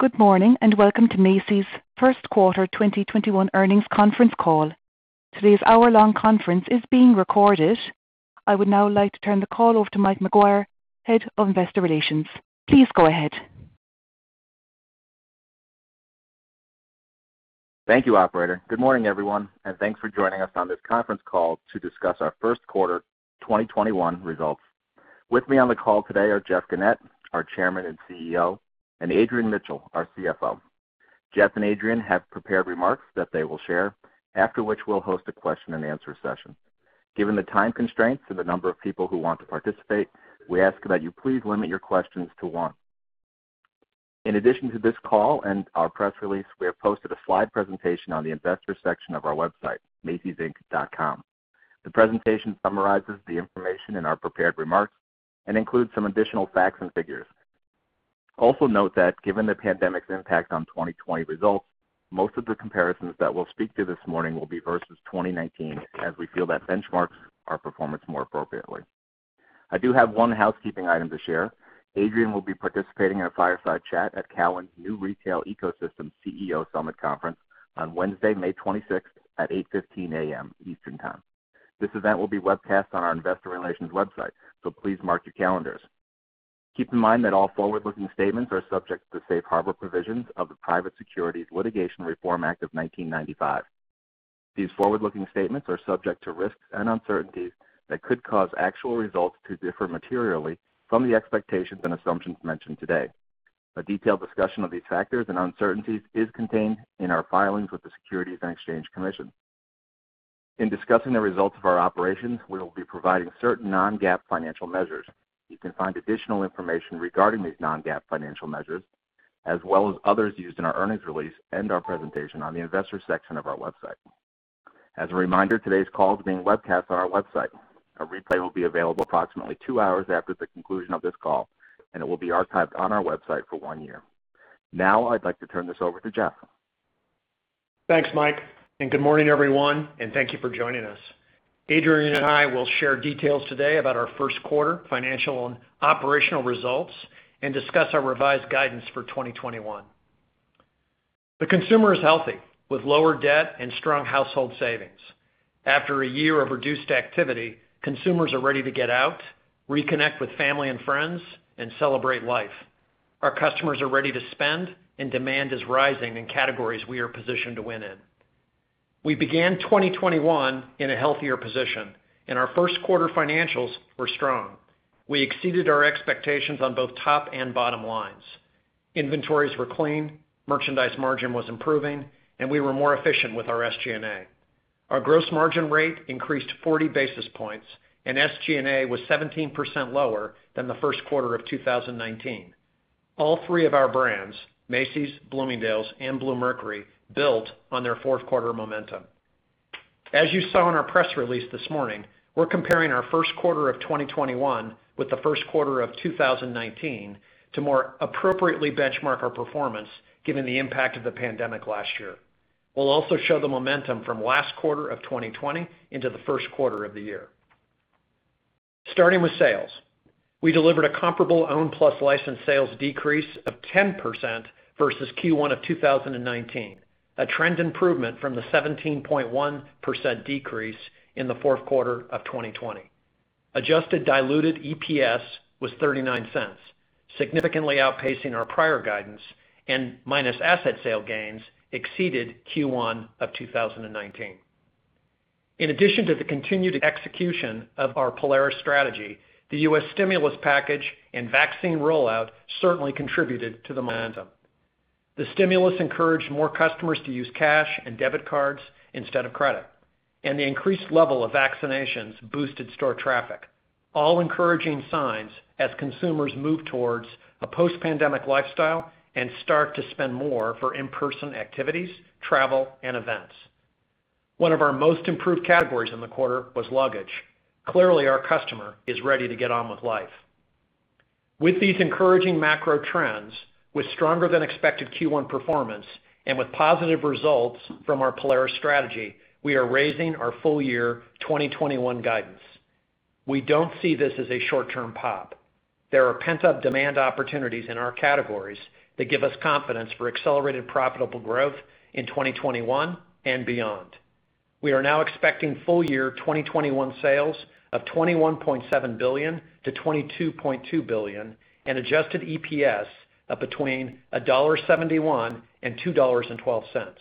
Good morning, and welcome to Macy's first quarter 2021 earnings conference call. Today's hour-long conference is being recorded. I would now like to turn the call over to Mike McGuire, Head of Investor Relations. Please go ahead. Thank you, operator. Good morning, everyone. Thanks for joining us on this conference call to discuss our first quarter 2021 results. With me on the call today are Jeff Gennette, our Chairman and CEO, and Adrian Mitchell, our CFO. Jeff and Adrian have prepared remarks that they will share, after which we'll host a question-and-answer session. Given the time constraints and the number of people who want to participate, we ask that you please limit your questions to one. In addition to this call and our press release, we have posted a slide presentation on the investor section of our website, macysinc.com. The presentation summarizes the information in our prepared remarks and includes some additional facts and figures. Also note that given the pandemic's impact on 2020 results, most of the comparisons that we'll speak to this morning will be versus 2019, as we feel that benchmarks our performance more appropriately. I do have one housekeeping item to share. Adrian will be participating in a fireside chat at Cowen's New Retail Ecosystem CEO Summit Conference on Wednesday, May 26th at 8:15 A.M. Eastern Time. This event will be webcast on our investor relations website, so please mark your calendars. Keep in mind that all forward-looking statements are subject to safe harbor provisions of the Private Securities Litigation Reform Act of 1995. These forward-looking statements are subject to risks and uncertainties that could cause actual results to differ materially from the expectations and assumptions mentioned today. A detailed discussion of these factors and uncertainties is contained in our filings with the Securities and Exchange Commission. In discussing the results of our operations, we will be providing certain non-GAAP financial measures. You can find additional information regarding these non-GAAP financial measures, as well as others used in our earnings release and our presentation on the investors section of our website. As a reminder, today's call is being webcast on our website. A replay will be available approximately two hours after the conclusion of this call, and it will be archived on our website for one year. Now, I'd like to turn this over to Jeff. Thanks, Mike, and good morning, everyone, and thank you for joining us. Adrian and I will share details today about our first quarter financial and operational results and discuss our revised guidance for 2021. The consumer is healthy, with lower debt and strong household savings. After a year of reduced activity, consumers are ready to get out, reconnect with family and friends, and celebrate life. Our customers are ready to spend, and demand is rising in categories we are positioned to win in. We began 2021 in a healthier position, and our first quarter financials were strong. We exceeded our expectations on both top and bottom lines. Inventories were clean, merchandise margin was improving, and we were more efficient with our SG&A. Our gross margin rate increased 40 basis points, and SG&A was 17% lower than the first quarter of 2019. All three of our brands, Macy's, Bloomingdale's, and Bluemercury, built on their fourth quarter momentum. As you saw in our press release this morning, we're comparing our first quarter of 2021 with the first quarter of 2019 to more appropriately benchmark our performance given the impact of the pandemic last year. We'll also show the momentum from last quarter of 2020 into the first quarter of the year. Starting with sales, we delivered a comparable owned plus licensed sales decrease of 10% versus Q1 of 2019, a trend improvement from the 17.1% decrease in the fourth quarter of 2020. Adjusted diluted EPS was $0.39, significantly outpacing our prior guidance and minus asset sale gains exceeded Q1 of 2019. In addition to the continued execution of our Polaris strategy, the U.S. stimulus package and vaccine rollout certainly contributed to the momentum. The stimulus encouraged more customers to use cash and debit cards instead of credit, and the increased level of vaccinations boosted store traffic, all encouraging signs as consumers move towards a post-pandemic lifestyle and start to spend more for in-person activities, travel, and events. One of our most improved categories in the quarter was luggage. Clearly, our customer is ready to get on with life. With these encouraging macro trends, with stronger-than-expected Q1 performance, and with positive results from our Polaris strategy, we are raising our full-year 2021 guidance. We don't see this as a short-term pop. There are pent-up demand opportunities in our categories that give us confidence for accelerated profitable growth in 2021 and beyond. We are now expecting full-year 2021 sales of $21.7 billion-$22.2 billion and adjusted EPS of between $1.71 and $2.12.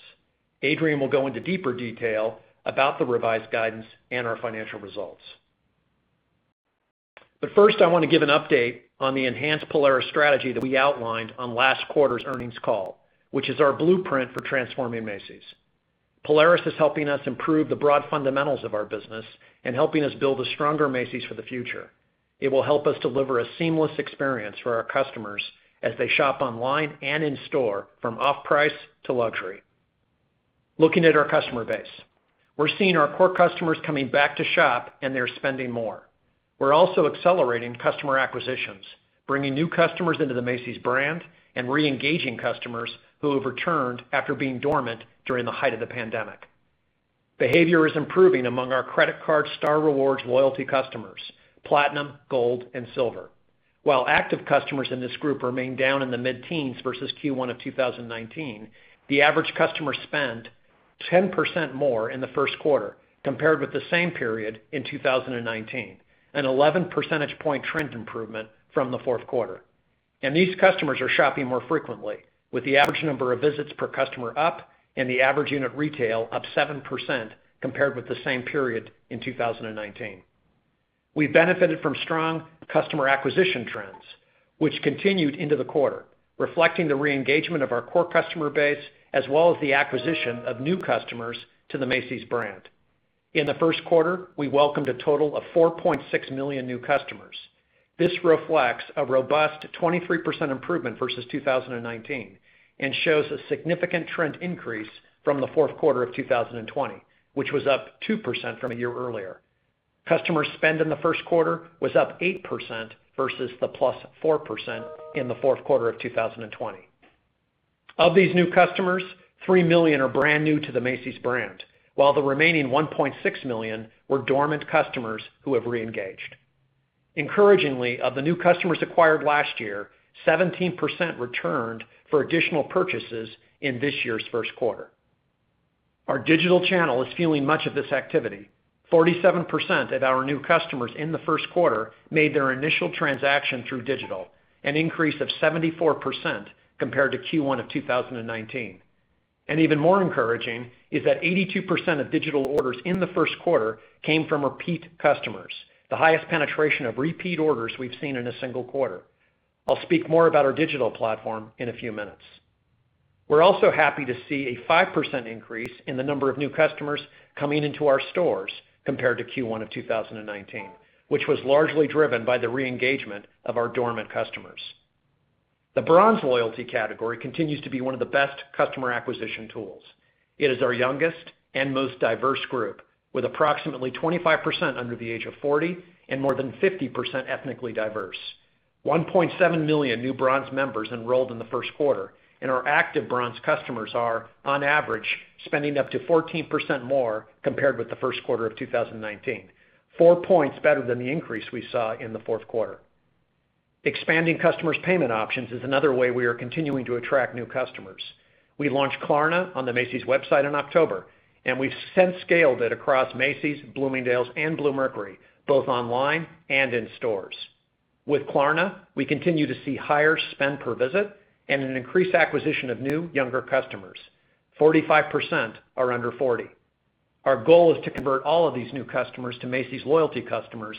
Adrian will go into deeper detail about the revised guidance and our financial results. First, I want to give an update on the enhanced Polaris strategy that we outlined on last quarter's earnings call, which is our blueprint for transforming Macy's. Polaris is helping us improve the broad fundamentals of our business and helping us build a stronger Macy's for the future. It will help us deliver a seamless experience for our customers as they shop online and in-store from off-price to luxury. Looking at our customer base, we're seeing our core customers coming back to shop, and they're spending more. We're also accelerating customer acquisitions, bringing new customers into the Macy's brand and re-engaging customers who have returned after being dormant during the height of the pandemic. Behavior is improving among our credit card Star Rewards loyalty customers, Platinum, Gold, and Silver. While active customers in this group remain down in the mid-teens versus Q1 2019, the average customer spent 10% more in the first quarter compared with the same period in 2019, an 11 percentage point trend improvement from the fourth quarter. These customers are shopping more frequently, with the average number of visits per customer up and the average unit retail up 7% compared with the same period in 2019. We benefited from strong customer acquisition trends, which continued into the quarter, reflecting the re-engagement of our core customer base as well as the acquisition of new customers to the Macy's brand. In the first quarter, we welcomed a total of 4.6 million new customers. This reflects a robust 23% improvement versus 2019 and shows a significant trend increase from the fourth quarter 2020, which was up 2% from a year earlier. Customer spend in the first quarter was up 8% versus the +4% in the fourth quarter of 2020. Of these new customers, 3 million are brand new to the Macy's brand, while the remaining 1.6 million were dormant customers who have re-engaged. Encouragingly, of the new customers acquired last year, 17% returned for additional purchases in this year's first quarter. Our digital channel is fueling much of this activity. 47% of our new customers in the first quarter made their initial transaction through digital, an increase of 74% compared to Q1 of 2019. Even more encouraging is that 82% of digital orders in the first quarter came from repeat customers, the highest penetration of repeat orders we've seen in a single quarter. I'll speak more about our digital platform in a few minutes. We're also happy to see a 5% increase in the number of new customers coming into our stores compared to Q1 of 2019, which was largely driven by the re-engagement of our dormant customers. The Bronze loyalty category continues to be one of the best customer acquisition tools. It is our youngest and most diverse group, with approximately 25% under the age of 40 and more than 50% ethnically diverse. 1.7 million new Bronze members enrolled in the first quarter, and our active Bronze customers are, on average, spending up to 14% more compared with the first quarter of 2019, four points better than the increase we saw in the fourth quarter. Expanding customers' payment options is another way we are continuing to attract new customers. We launched Klarna on the Macy's website in October, and we've since scaled it across Macy's, Bloomingdale's, and Bluemercury, both online and in stores. With Klarna, we continue to see higher spend per visit and an increased acquisition of new, younger customers. 45% are under 40. Our goal is to convert all of these new customers to Macy's loyalty customers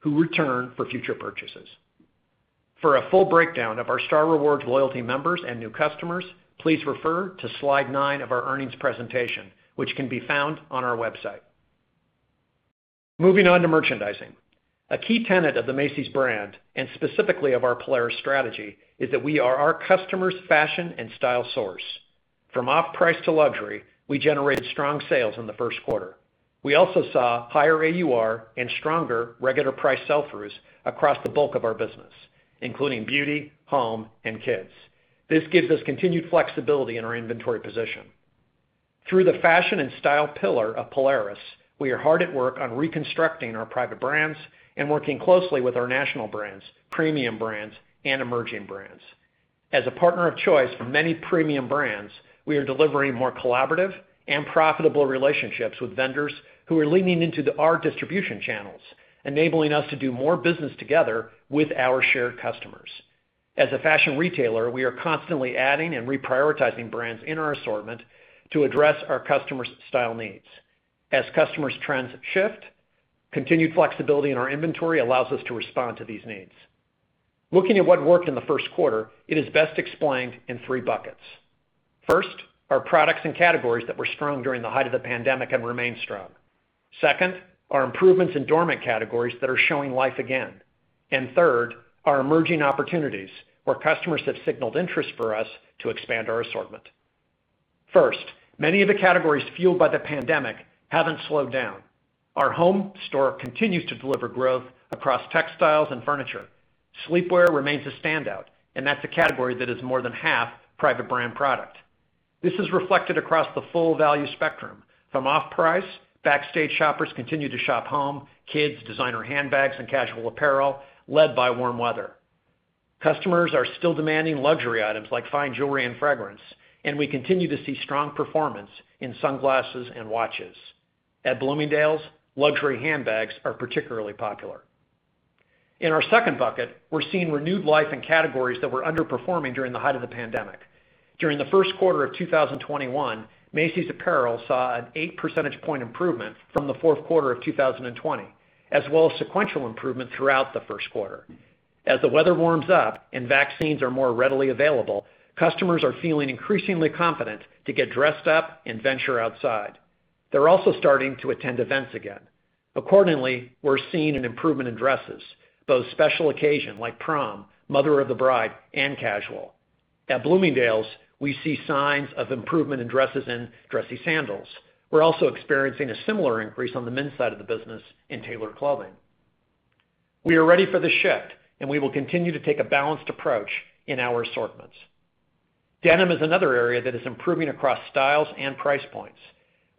who return for future purchases. For a full breakdown of our Star Rewards loyalty members and new customers, please refer to slide nine of our earnings presentation, which can be found on our website. Moving on to merchandising. A key tenet of the Macy's brand, and specifically of our Polaris strategy, is that we are our customers' fashion and style source. From off-price to luxury, we generated strong sales in the first quarter. We also saw higher AUR and stronger regular price sell-throughs across the bulk of our business, including beauty, home, and kids. This gives us continued flexibility in our inventory position. Through the fashion and style pillar of Polaris, we are hard at work on reconstructing our private brands and working closely with our national brands, premium brands, and emerging brands. As a partner of choice for many premium brands, we are delivering more collaborative and profitable relationships with vendors who are leaning into our distribution channels, enabling us to do more business together with our shared customers. As a fashion retailer, we are constantly adding and reprioritizing brands in our assortment to address our customers' style needs. As customers' trends shift, continued flexibility in our inventory allows us to respond to these needs. Looking at what worked in the first quarter, it is best explained in three buckets. First, our products and categories that were strong during the height of the pandemic and remain strong. Second, our improvements in dormant categories that are showing life again. Third, our emerging opportunities where customers have signaled interest for us to expand our assortment. First, many of the categories fueled by the pandemic haven't slowed down. Our home store continues to deliver growth across textiles and furniture. Sleepwear remains a standout, that's a category that is more than half private brand product. This is reflected across the full value spectrum. From off-price, Backstage shoppers continue to shop home, kids, designer handbags, and casual apparel, led by warm weather. Customers are still demanding luxury items like fine jewelry and fragrance, we continue to see strong performance in sunglasses and watches. At Bloomingdale's, luxury handbags are particularly popular. In our second bucket, we're seeing renewed life in categories that were underperforming during the height of the pandemic. During the first quarter of 2021, Macy's apparel saw an 8 percentage point improvement from the fourth quarter of 2020, as well as sequential improvement throughout the first quarter. As the weather warms up and vaccines are more readily available, customers are feeling increasingly confident to get dressed up and venture outside. They're also starting to attend events again. Accordingly, we're seeing an improvement in dresses, both special occasion like prom, mother of the bride, and casual. At Bloomingdale's, we see signs of improvement in dresses and dressy sandals. We're also experiencing a similar increase on the men's side of the business in tailored clothing. We are ready for the shift, and we will continue to take a balanced approach in our assortments. Denim is another area that is improving across styles and price points.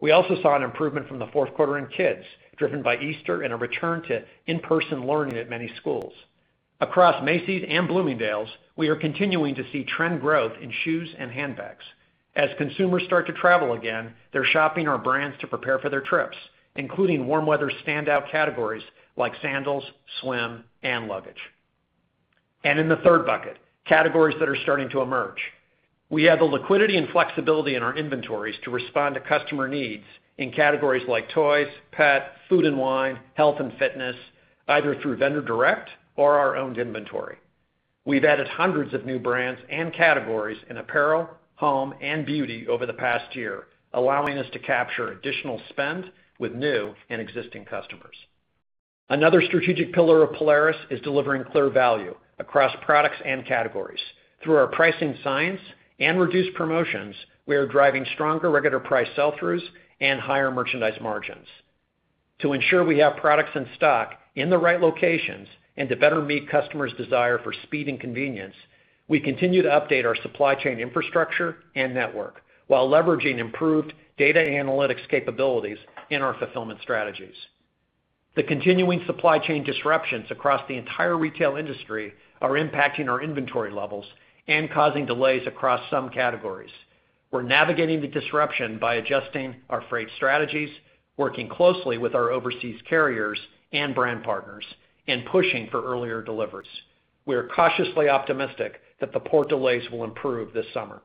We also saw an improvement from the fourth quarter in kids, driven by Easter and a return to in-person learning at many schools. Across Macy's and Bloomingdale's, we are continuing to see trend growth in shoes and handbags. As consumers start to travel again, they're shopping our brands to prepare for their trips, including warm weather standout categories like sandals, swim, and luggage. In the third bucket, categories that are starting to emerge. We have the liquidity and flexibility in our inventories to respond to customer needs in categories like toys, pet, food and wine, health and fitness, either through vendor direct or our owned inventory. We've added hundreds of new brands and categories in apparel, home, and beauty over the past year, allowing us to capture additional spend with new and existing customers. Another strategic pillar of Polaris is delivering clear value across products and categories. Through our pricing signs and reduced promotions, we are driving stronger regular price sell-throughs and higher merchandise margins. To ensure we have products in stock in the right locations and to better meet customers' desire for speed and convenience, we continue to update our supply chain infrastructure and network while leveraging improved data analytics capabilities in our fulfillment strategies. The continuing supply chain disruptions across the entire retail industry are impacting our inventory levels and causing delays across some categories. We're navigating the disruption by adjusting our freight strategies, working closely with our overseas carriers and brand partners, and pushing for earlier deliveries. We are cautiously optimistic that the port delays will improve this summer.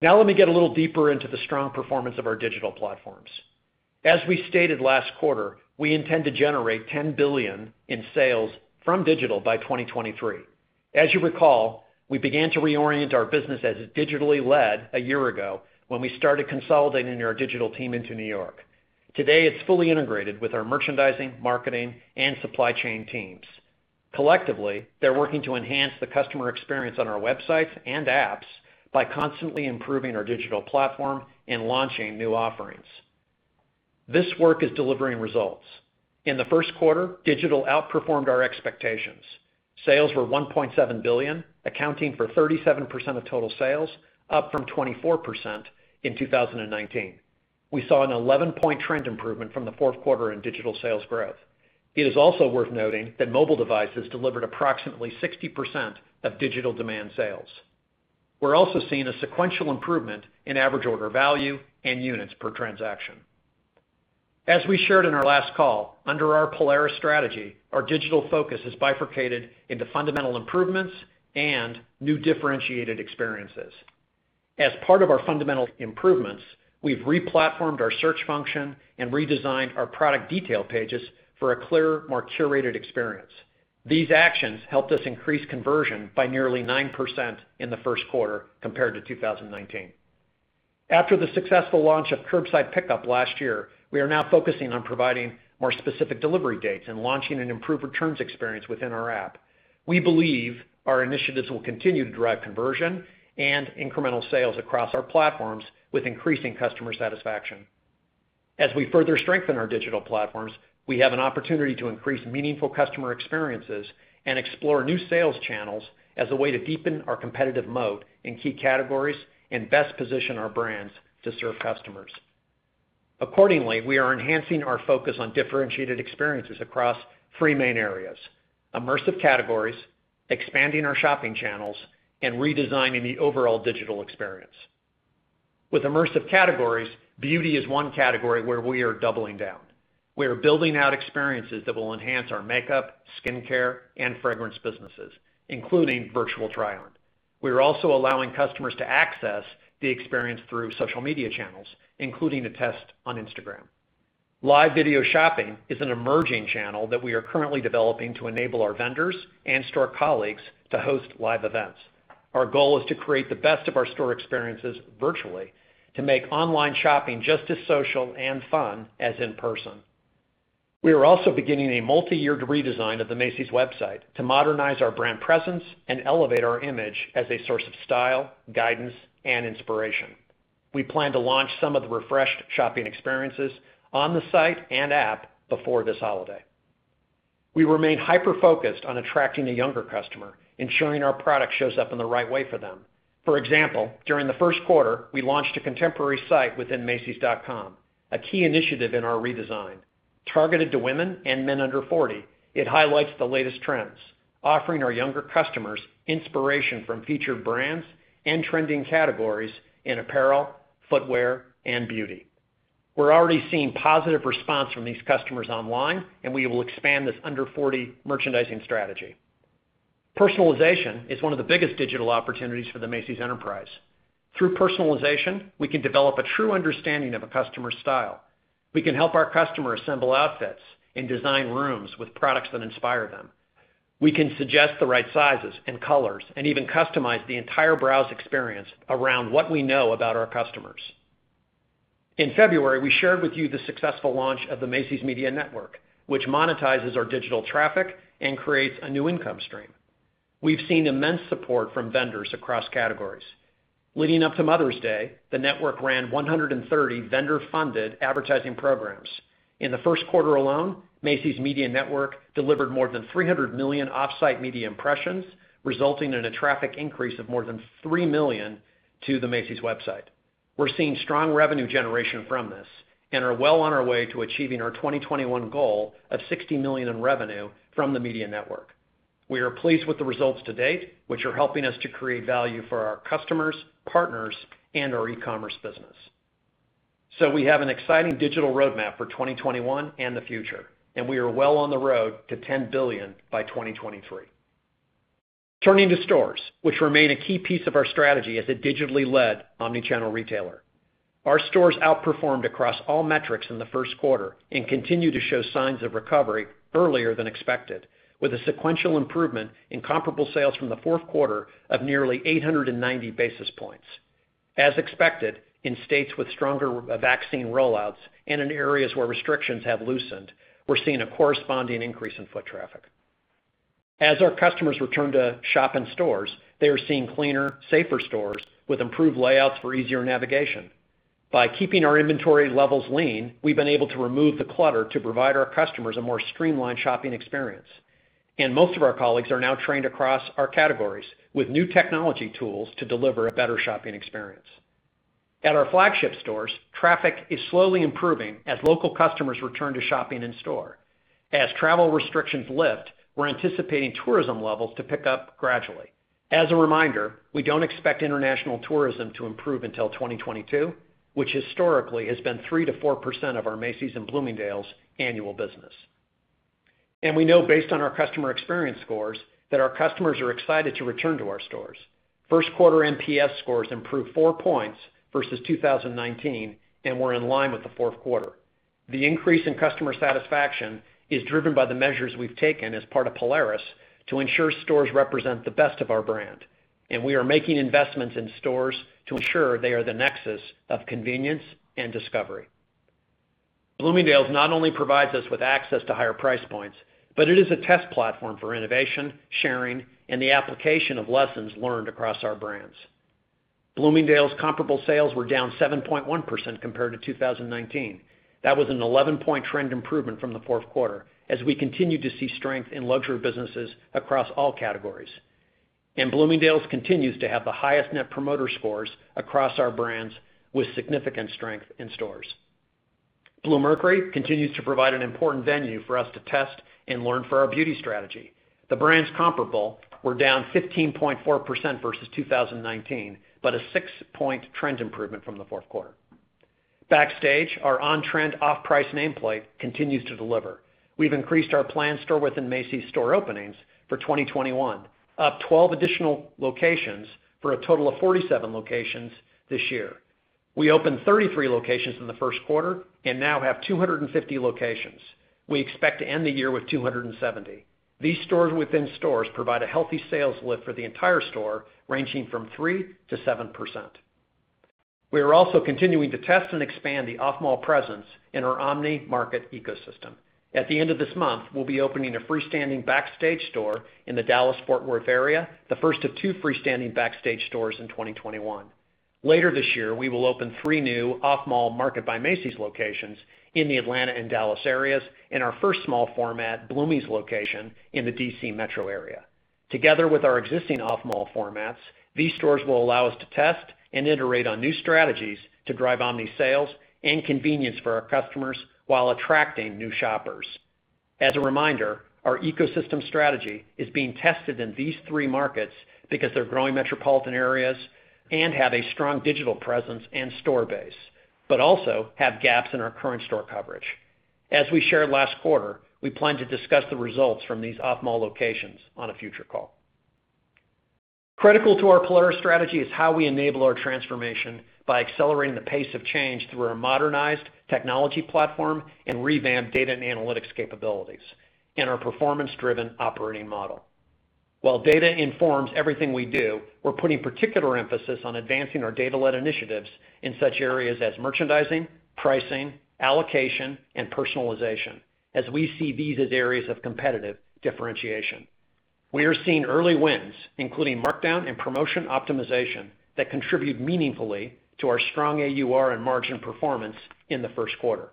Let me get a little deeper into the strong performance of our digital platforms. As we stated last quarter, we intend to generate $10 billion in sales from digital by 2023. As you recall, we began to reorient our business as digitally led a year ago when we started consolidating our digital team into New York. Today, it's fully integrated with our merchandising, marketing, and supply chain teams. Collectively, they're working to enhance the customer experience on our websites and apps by constantly improving our digital platform and launching new offerings. This work is delivering results. In the first quarter, digital outperformed our expectations. Sales were $1.7 billion, accounting for 37% of total sales, up from 24% in 2019. We saw an 11 point trend improvement from the fourth quarter in digital sales growth. It is also worth noting that mobile devices delivered approximately 60% of digital demand sales. We're also seeing a sequential improvement in average order value and units per transaction. As we shared in our last call, under our Polaris strategy, our digital focus has bifurcated into fundamental improvements and new differentiated experiences. As part of our fundamental improvements, we've re-platformed our search function and redesigned our product detail pages for a clearer, more curated experience. These actions helped us increase conversion by nearly 9% in the first quarter compared to 2019. After the successful launch of curbside pickup last year, we are now focusing on providing more specific delivery dates and launching an improved returns experience within our app. We believe our initiatives will continue to drive conversion and incremental sales across our platforms with increasing customer satisfaction. As we further strengthen our digital platforms, we have an opportunity to increase meaningful customer experiences and explore new sales channels as a way to deepen our competitive moat in key categories and best position our brands to serve customers. Accordingly, we are enhancing our focus on differentiated experiences across three main areas: immersive categories, expanding our shopping channels, and redesigning the overall digital experience. With immersive categories, beauty is one category where we are doubling down. We are building out experiences that will enhance our makeup, skincare, and fragrance businesses, including virtual try-on. We are also allowing customers to access the experience through social media channels, including the test on Instagram. Live video shopping is an emerging channel that we are currently developing to enable our vendors and store colleagues to host live events. Our goal is to create the best of our store experiences virtually to make online shopping just as social and fun as in person. We are also beginning a multi-year redesign of the Macy's website to modernize our brand presence and elevate our image as a source of style, guidance, and inspiration. We plan to launch some of the refreshed shopping experiences on the site and app before this holiday. We remain hyper-focused on attracting the younger customer, ensuring our product shows up in the right way for them. For example, during the first quarter, we launched a contemporary site within macys.com, a key initiative in our redesign. Targeted to women and men under 40, it highlights the latest trends, offering our younger customers inspiration from featured brands and trending categories in apparel, footwear, and beauty. We're already seeing positive response from these customers online, and we will expand this under 40 merchandising strategy. Personalization is one of the biggest digital opportunities for the Macy's enterprise. Through personalization, we can develop a true understanding of a customer's style. We can help our customers assemble outfits and design rooms with products that inspire them. We can suggest the right sizes and colors, and even customize the entire browse experience around what we know about our customers. In February, we shared with you the successful launch of the Macy's Media Network, which monetizes our digital traffic and creates a new income stream. We've seen immense support from vendors across categories. Leading up to Mother's Day, the network ran 130 vendor-funded advertising programs. In the first quarter alone, Macy's Media Network delivered more than 300 million off-site media impressions, resulting in a traffic increase of more than 3 million to the Macy's website. We're seeing strong revenue generation from this and are well on our way to achieving our 2021 goal of $60 million in revenue from the Media Network. We are pleased with the results to date, which are helping us to create value for our customers, partners, and our e-commerce business. We have an exciting digital roadmap for 2021 and the future, and we are well on the road to $10 billion by 2023. Turning to stores, which remain a key piece of our strategy as a digitally-led omnichannel retailer. Our stores outperformed across all metrics in the first quarter and continue to show signs of recovery earlier than expected, with a sequential improvement in comparable sales from the fourth quarter of nearly 890 basis points. As expected, in states with stronger vaccine rollouts and in areas where restrictions have loosened, we're seeing a corresponding increase in foot traffic. As our customers return to shop in stores, they are seeing cleaner, safer stores with improved layouts for easier navigation. By keeping our inventory levels lean, we've been able to remove the clutter to provide our customers a more streamlined shopping experience. Most of our colleagues are now trained across our categories with new technology tools to deliver a better shopping experience. At our flagship stores, traffic is slowly improving as local customers return to shopping in-store. As travel restrictions lift, we're anticipating tourism levels to pick up gradually. As a reminder, we don't expect international tourism to improve until 2022, which historically has been 3%-4% of our Macy's and Bloomingdale's annual business. We know based on our customer experience scores that our customers are excited to return to our stores. First quarter NPS scores improved 4 points versus 2019, and were in line with the fourth quarter. The increase in customer satisfaction is driven by the measures we've taken as part of Polaris to ensure stores represent the best of our brand, and we are making investments in stores to ensure they are the nexus of convenience and discovery. Bloomingdale's not only provides us with access to higher price points, but it is a test platform for innovation, sharing, and the application of lessons learned across our brands. Bloomingdale's comparable sales were down 7.1% compared to 2019. That was an 11 point trend improvement from the fourth quarter, as we continue to see strength in luxury businesses across all categories. Bloomingdale's continues to have the highest net promoter scores across our brands, with significant strength in stores. Bluemercury continues to provide an important venue for us to test and learn for our beauty strategy. The brand's comparable were down 15.4% versus 2019, a 6 point trend improvement from the fourth quarter. Backstage, our on-trend, off-price nameplate continues to deliver. We've increased our planned store-within-Macy's store openings for 2021, up 12 additional locations for a total of 47 locations this year. We opened 33 locations in the first quarter and now have 250 locations. We expect to end the year with 270. These stores-within-stores provide a healthy sales lift for the entire store, ranging from 3%-7%. We are also continuing to test and expand the off-mall presence in our omni market ecosystem. At the end of this month, we'll be opening a freestanding Backstage store in the Dallas-Fort Worth area, the first of two freestanding Backstage stores in 2021. Later this year, we will open three new off-mall Market by Macy's locations in the Atlanta and Dallas areas and our first small-format Bloomie's location in the D.C. metro area. Together with our existing off-mall formats, these stores will allow us to test and iterate on new strategies to drive omni sales and convenience for our customers while attracting new shoppers. As a reminder, our ecosystem strategy is being tested in these three markets because they're growing metropolitan areas and have a strong digital presence and store base, but also have gaps in our current store coverage. As we shared last quarter, we plan to discuss the results from these off-mall locations on a future call. Critical to our Polaris strategy is how we enable our transformation by accelerating the pace of change through our modernized technology platform and revamped data and analytics capabilities and our performance-driven operating model. While data informs everything we do, we're putting particular emphasis on advancing our data-led initiatives in such areas as merchandising, pricing, allocation, and personalization, as we see these as areas of competitive differentiation. We are seeing early wins, including markdown and promotion optimization, that contribute meaningfully to our strong AUR and margin performance in the first quarter.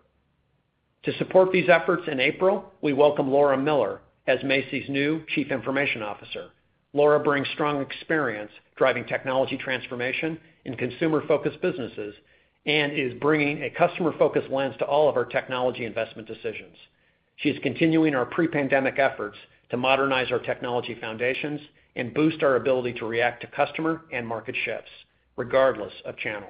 To support these efforts in April, we welcomed Laura Miller as Macy's new Chief Information Officer. Laura brings strong experience driving technology transformation in consumer-focused businesses and is bringing a customer-focused lens to all of our technology investment decisions. She is continuing our pre-pandemic efforts to modernize our technology foundations and boost our ability to react to customer and market shifts, regardless of channel.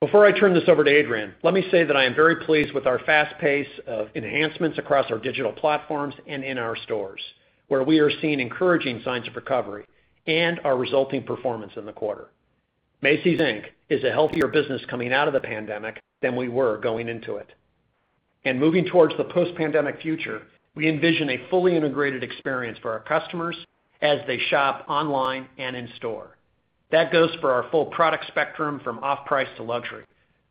Before I turn this over to Adrian, let me say that I am very pleased with our fast pace of enhancements across our digital platforms and in our stores, where we are seeing encouraging signs of recovery and our resulting performance in the quarter. Macy's, Inc. is a healthier business coming out of the pandemic than we were going into it. Moving towards the post-pandemic future, we envision a fully integrated experience for our customers as they shop online and in store. That goes for our full product spectrum from off-price to luxury.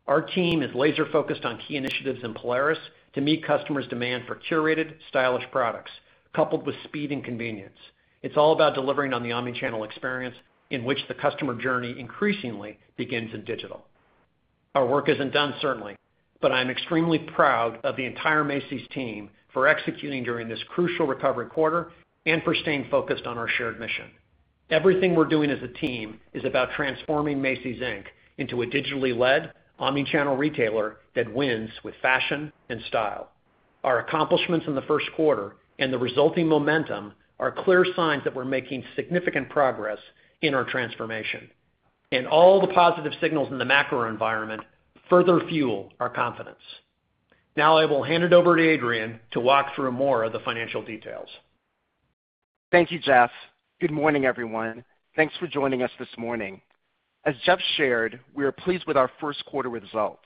Our team is laser-focused on key initiatives in Polaris to meet customers' demand for curated, stylish products, coupled with speed and convenience. It's all about delivering on the omnichannel experience in which the customer journey increasingly begins in digital. Our work isn't done, certainly, but I'm extremely proud of the entire Macy's team for executing during this crucial recovery quarter and for staying focused on our shared mission. Everything we're doing as a team is about transforming Macy's, Inc. into a digitally-led, omnichannel retailer that wins with fashion and style. Our accomplishments in the first quarter and the resulting momentum are clear signs that we're making significant progress in our transformation, and all the positive signals in the macro environment further fuel our confidence. Now I will hand it over to Adrian Mitchell to walk through more of the financial details. Thank you, Jeff. Good morning, everyone. Thanks for joining us this morning. As Jeff shared, we are pleased with our first quarter results,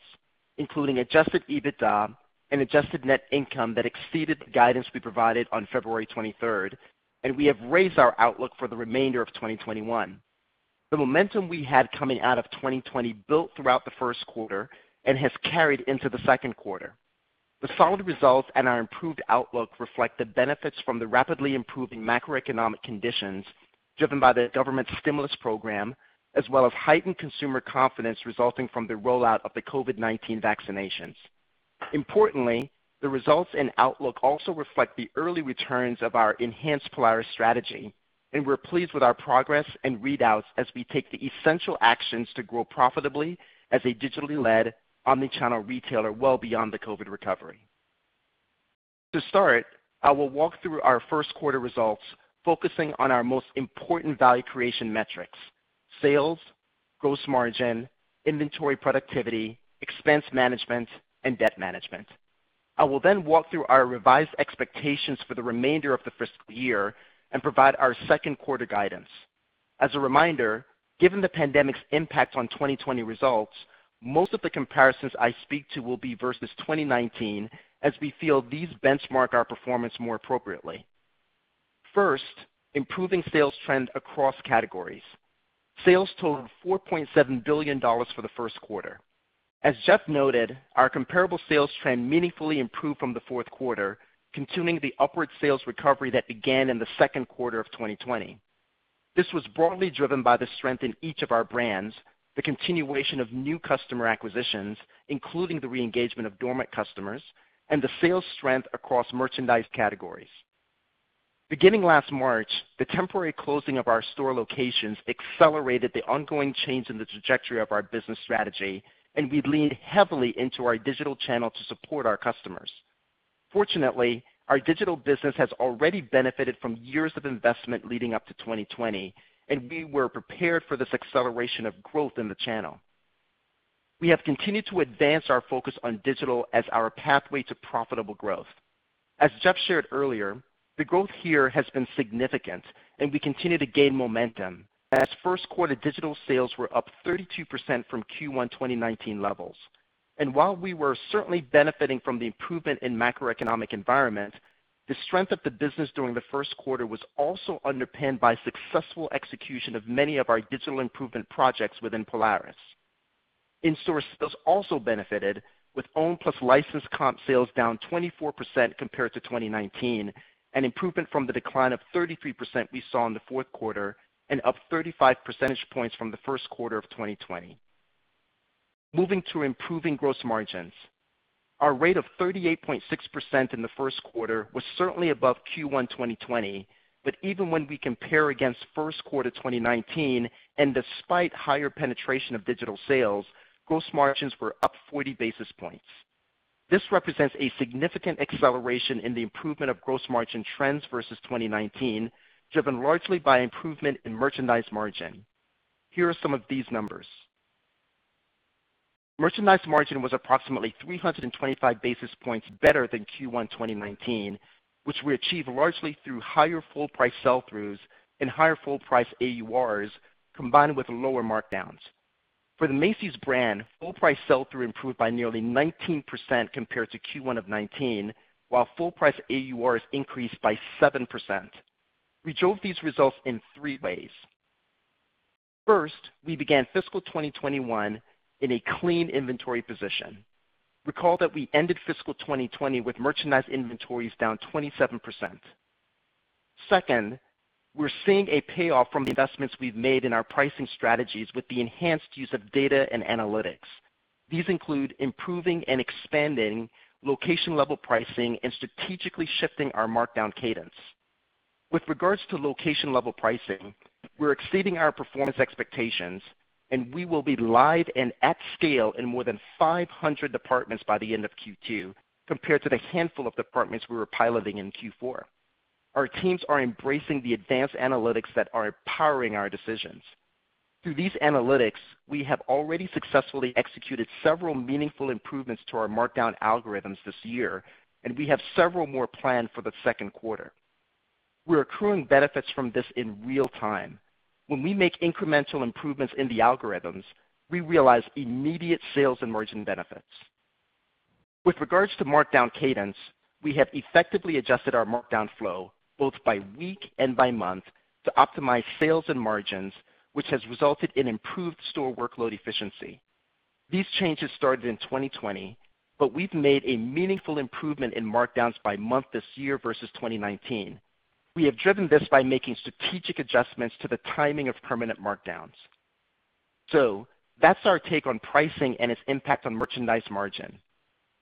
including adjusted EBITDA and adjusted net income that exceeded the guidance we provided on February 23rd. We have raised our outlook for the remainder of 2021. The momentum we had coming out of 2020 built throughout the first quarter and has carried into the second quarter. The solid results and our improved outlook reflect the benefits from the rapidly improving macroeconomic conditions driven by the government stimulus program, as well as heightened consumer confidence resulting from the rollout of the COVID-19 vaccinations. Importantly, the results and outlook also reflect the early returns of our enhanced Polaris strategy. We're pleased with our progress and readouts as we take the essential actions to grow profitably as a digitally-led, omnichannel retailer well beyond the COVID recovery. To start, I will walk through our first quarter results, focusing on our most important value creation metrics: sales, gross margin, inventory productivity, expense management, and debt management. I will then walk through our revised expectations for the remainder of the fiscal year and provide our second quarter guidance. As a reminder, given the pandemic's impact on 2020 results, most of the comparisons I speak to will be versus 2019 as we feel these benchmark our performance more appropriately. First, improving sales trends across categories. Sales totaled $4.7 billion for the first quarter. As Jeff noted, our comparable sales trend meaningfully improved from the fourth quarter, continuing the upward sales recovery that began in the second quarter of 2020. This was broadly driven by the strength in each of our brands, the continuation of new customer acquisitions, including the re-engagement of dormant customers, and the sales strength across merchandise categories. Beginning last March, the temporary closing of our store locations accelerated the ongoing change in the trajectory of our business strategy, and we leaned heavily into our digital channel to support our customers. Fortunately, our digital business has already benefited from years of investment leading up to 2020, and we were prepared for this acceleration of growth in the channel. We have continued to advance our focus on digital as our pathway to profitable growth. As Jeff shared earlier, the growth here has been significant, and we continue to gain momentum as first-quarter digital sales were up 32% from Q1 2019 levels. While we were certainly benefiting from the improvement in macroeconomic environment, the strength of the business during the first quarter was also underpinned by successful execution of many of our digital improvement projects within Polaris. In-store sales also benefited, with own plus licensed comp sales down 24% compared to 2019, an improvement from the decline of 33% we saw in the fourth quarter and up 35 percentage points from the first quarter of 2020. Moving to improving gross margins. Our rate of 38.6% in the first quarter was certainly above Q1 2020. Even when we compare against first quarter 2019, and despite higher penetration of digital sales, gross margins were up 40 basis points. This represents a significant acceleration in the improvement of gross margin trends versus 2019, driven largely by improvement in merchandise margin. Here are some of these numbers. Merchandise margin was approximately 325 basis points better than Q1 2019, which we achieved largely through higher full-price sell-throughs and higher full-price AURs, combined with lower markdowns. For the Macy's brand, full-price sell-through improved by nearly 19% compared to Q1 of 2019, while full-price AURs increased by 7%. We drove these results in three ways. First, we began fiscal 2021 in a clean inventory position. Recall that we ended fiscal 2020 with merchandise inventories down 27%. Second, we're seeing a payoff from the investments we've made in our pricing strategies with the enhanced use of data and analytics. These include improving and expanding location-level pricing and strategically shifting our markdown cadence. With regards to location-level pricing, we're exceeding our performance expectations, and we will be live and at scale in more than 500 departments by the end of Q2 compared to the handful of departments we were piloting in Q4. Our teams are embracing the advanced analytics that are powering our decisions. Through these analytics, we have already successfully executed several meaningful improvements to our markdown algorithms this year, and we have several more planned for the second quarter. We're accruing benefits from this in real time. When we make incremental improvements in the algorithms, we realize immediate sales and margin benefits. With regards to markdown cadence, we have effectively adjusted our markdown flow, both by week and by month, to optimize sales and margins, which has resulted in improved store workload efficiency. These changes started in 2020, but we've made a meaningful improvement in markdowns by month this year versus 2019. We have driven this by making strategic adjustments to the timing of permanent markdowns. That's our take on pricing and its impact on merchandise margin.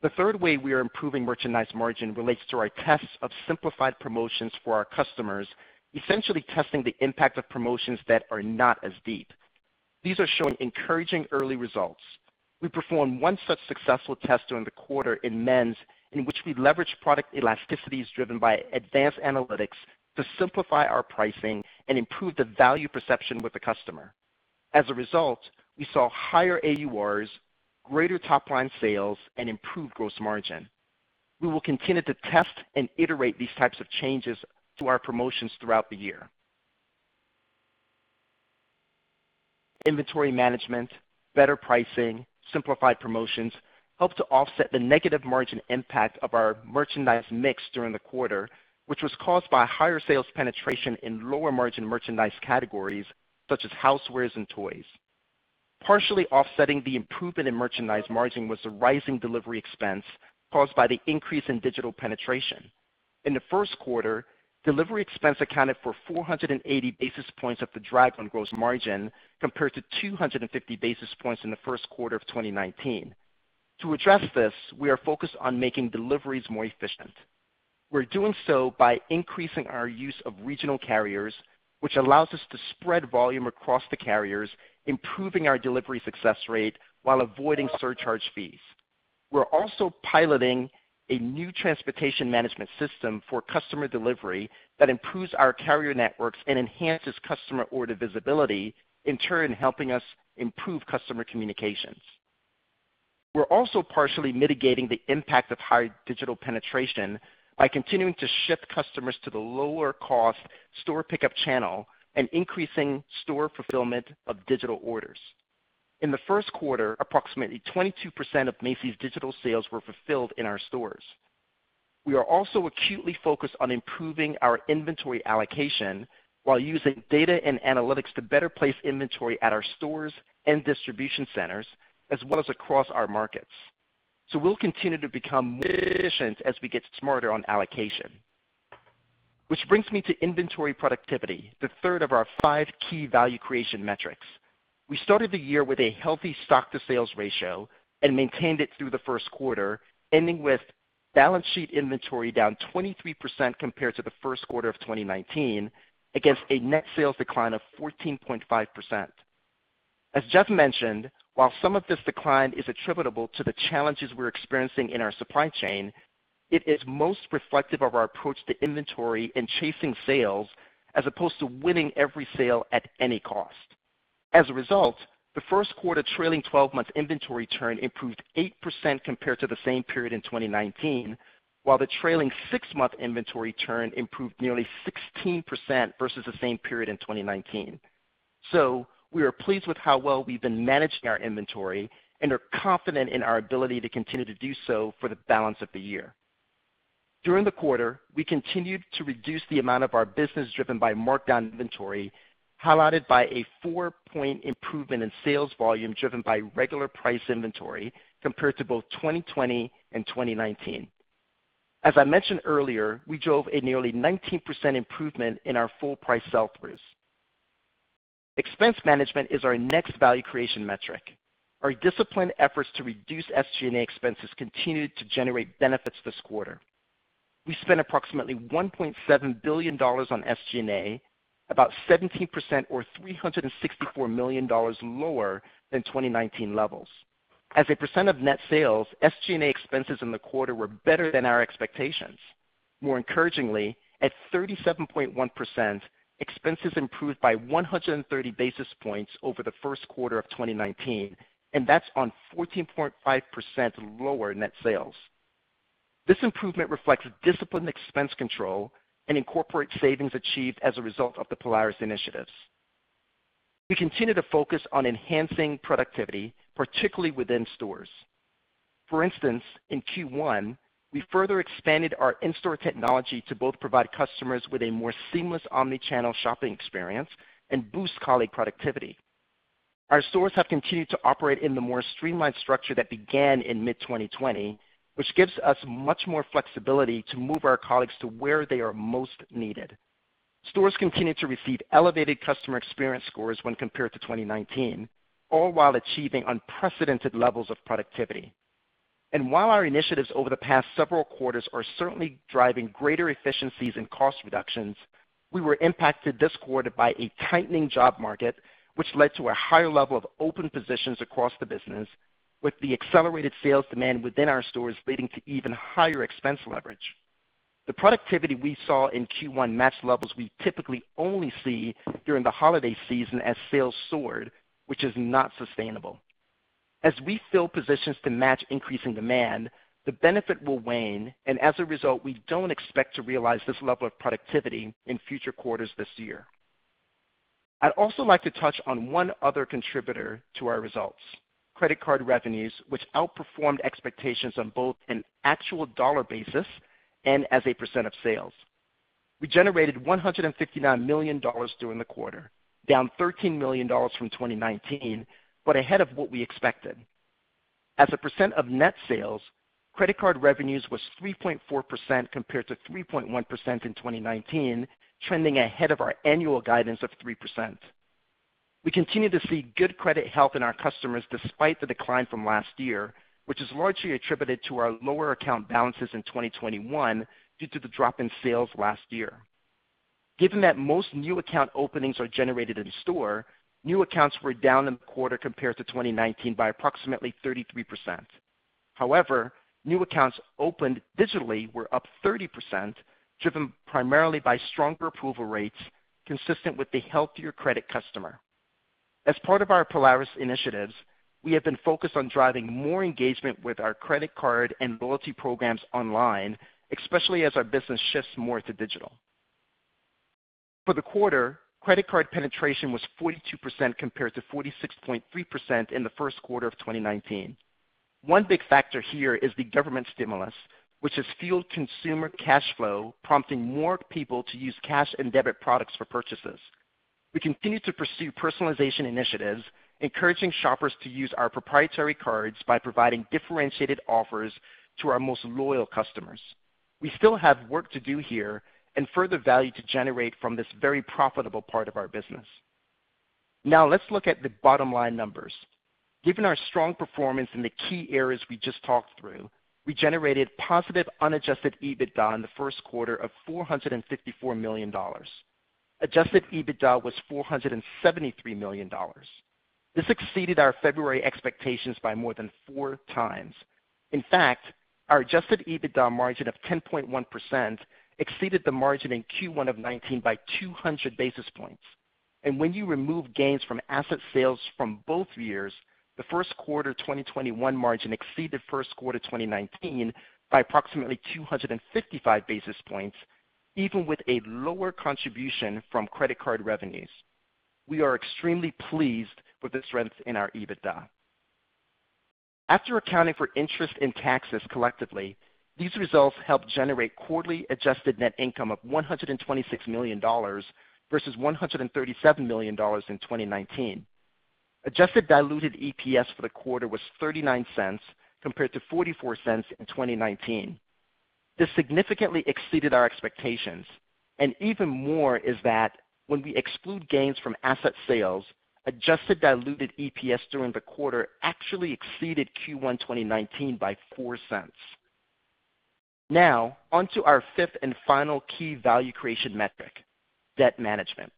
The third way we are improving merchandise margin relates to our tests of simplified promotions for our customers, essentially testing the impact of promotions that are not as deep. These are showing encouraging early results. We performed one such successful test during the quarter in men's, in which we leveraged product elasticities driven by advanced analytics to simplify our pricing and improve the value perception with the customer. As a result, we saw higher AURs, greater top-line sales, and improved gross margin. We will continue to test and iterate these types of changes to our promotions throughout the year. Inventory management, better pricing, simplified promotions helped to offset the negative margin impact of our merchandise mix during the quarter, which was caused by higher sales penetration in lower-margin merchandise categories such as housewares and toys. Partially offsetting the improvement in merchandise margin was the rising delivery expense caused by the increase in digital penetration. In the first quarter, delivery expense accounted for 480 basis points of the drag on gross margin, compared to 250 basis points in the first quarter of 2019. To address this, we are focused on making deliveries more efficient. We're doing so by increasing our use of regional carriers, which allows us to spread volume across the carriers, improving our delivery success rate while avoiding surcharge fees. We're also piloting a new transportation management system for customer delivery that improves our carrier networks and enhances customer order visibility, in turn helping us improve customer communications. We're also partially mitigating the impact of high digital penetration by continuing to shift customers to the lower-cost store pickup channel and increasing store fulfillment of digital orders. In the first quarter, approximately 22% of Macy's digital sales were fulfilled in our stores. We are also acutely focused on improving our inventory allocation while using data and analytics to better place inventory at our stores and distribution centers, as well as across our markets. We'll continue to become more efficient as we get smarter on allocation. Which brings me to inventory productivity, the third of our five key value creation metrics. We started the year with a healthy stock-to-sales ratio and maintained it through the first quarter, ending with balance sheet inventory down 23% compared to the first quarter of 2019 against a net sales decline of 14.5%. As Jeff mentioned, while some of this decline is attributable to the challenges we're experiencing in our supply chain, it is most reflective of our approach to inventory and chasing sales as opposed to winning every sale at any cost. As a result, the first quarter trailing 12 month inventory turn improved 8% compared to the same period in 2019, while the trailing six-month inventory turn improved nearly 16% versus the same period in 2019. We are pleased with how well we've been managing our inventory and are confident in our ability to continue to do so for the balance of the year. During the quarter, we continued to reduce the amount of our business driven by markdown inventory, highlighted by a four-point improvement in sales volume driven by regular price inventory compared to both 2020 and 2019. As I mentioned earlier, we drove a nearly 19% improvement in our full price sell-throughs. Expense management is our next value creation metric. Our disciplined efforts to reduce SGA expenses continued to generate benefits this quarter. We spent approximately $1.7 billion on SGA, about 17% or $364 million lower than 2019 levels. As a percent of net sales, SGA expenses in the quarter were better than our expectations. More encouragingly, at 37.1%, expenses improved by 130 basis points over the first quarter of 2019, and that's on 14.5% lower net sales. This improvement reflects disciplined expense control and incorporate savings achieved as a result of the Polaris initiatives. We continue to focus on enhancing productivity, particularly within stores. For instance, in Q1, we further expanded our in-store technology to both provide customers with a more seamless omnichannel shopping experience and boost colleague productivity. Our stores have continued to operate in the more streamlined structure that began in mid-2020, which gives us much more flexibility to move our colleagues to where they are most needed. Stores continue to receive elevated customer experience scores when compared to 2019, all while achieving unprecedented levels of productivity. While our initiatives over the past several quarters are certainly driving greater efficiencies and cost reductions, we were impacted this quarter by a tightening job market, which led to a higher level of open positions across the business with the accelerated sales demand within our stores leading to even higher expense leverage. The productivity we saw in Q1 matched levels we typically only see during the holiday season as sales soared, which is not sustainable. As we fill positions to match increasing demand, the benefit will wane, and as a result, we don't expect to realize this level of productivity in future quarters this year. I'd also like to touch on one other contributor to our results, credit card revenues, which outperformed expectations on both an actual dollar basis and as a percent of sales. We generated $159 million during the quarter, down $13 million from 2019, but ahead of what we expected. As a percent of net sales, credit card revenues was 3.4% compared to 3.1% in 2019, trending ahead of our annual guidance of 3%. We continue to see good credit health in our customers despite the decline from last year, which is largely attributed to our lower account balances in 2021 due to the drop in sales last year. Given that most new account openings are generated in store, new accounts were down in the quarter compared to 2019 by approximately 33%. New accounts opened digitally were up 30%, driven primarily by stronger approval rates, consistent with a healthier credit customer. As part of our Polaris initiatives, we have been focused on driving more engagement with our credit card and loyalty programs online, especially as our business shifts more to digital. For the quarter, credit card penetration was 42% compared to 46.3% in the first quarter of 2019. One big factor here is the government stimulus, which has fueled consumer cash flow, prompting more people to use cash and debit products for purchases. We continue to pursue personalization initiatives, encouraging shoppers to use our proprietary cards by providing differentiated offers to our most loyal customers. We still have work to do here and further value to generate from this very profitable part of our business. Now, let's look at the bottom line numbers. Given our strong performance in the key areas we just talked through, we generated positive unadjusted EBITDA in the first quarter of $454 million. Adjusted EBITDA was $473 million. This exceeded our February expectations by more than four times. In fact, our adjusted EBITDA margin of 10.1% exceeded the margin in Q1 of 2019 by 200 basis points. When you remove gains from asset sales from both years, the first quarter 2021 margin exceeded first quarter 2019 by approximately 255 basis points, even with a lower contribution from credit card revenues. We are extremely pleased with the strength in our EBITDA. After accounting for interest and taxes collectively, these results helped generate quarterly adjusted net income of $126 million versus $137 million in 2019. Adjusted diluted EPS for the quarter was $0.39 compared to $0.44 in 2019. This significantly exceeded our expectations. Even more is that when we exclude gains from asset sales, adjusted diluted EPS during the quarter actually exceeded Q1 2019 by $0.04. On to our fifth and final key value creation metric, debt management.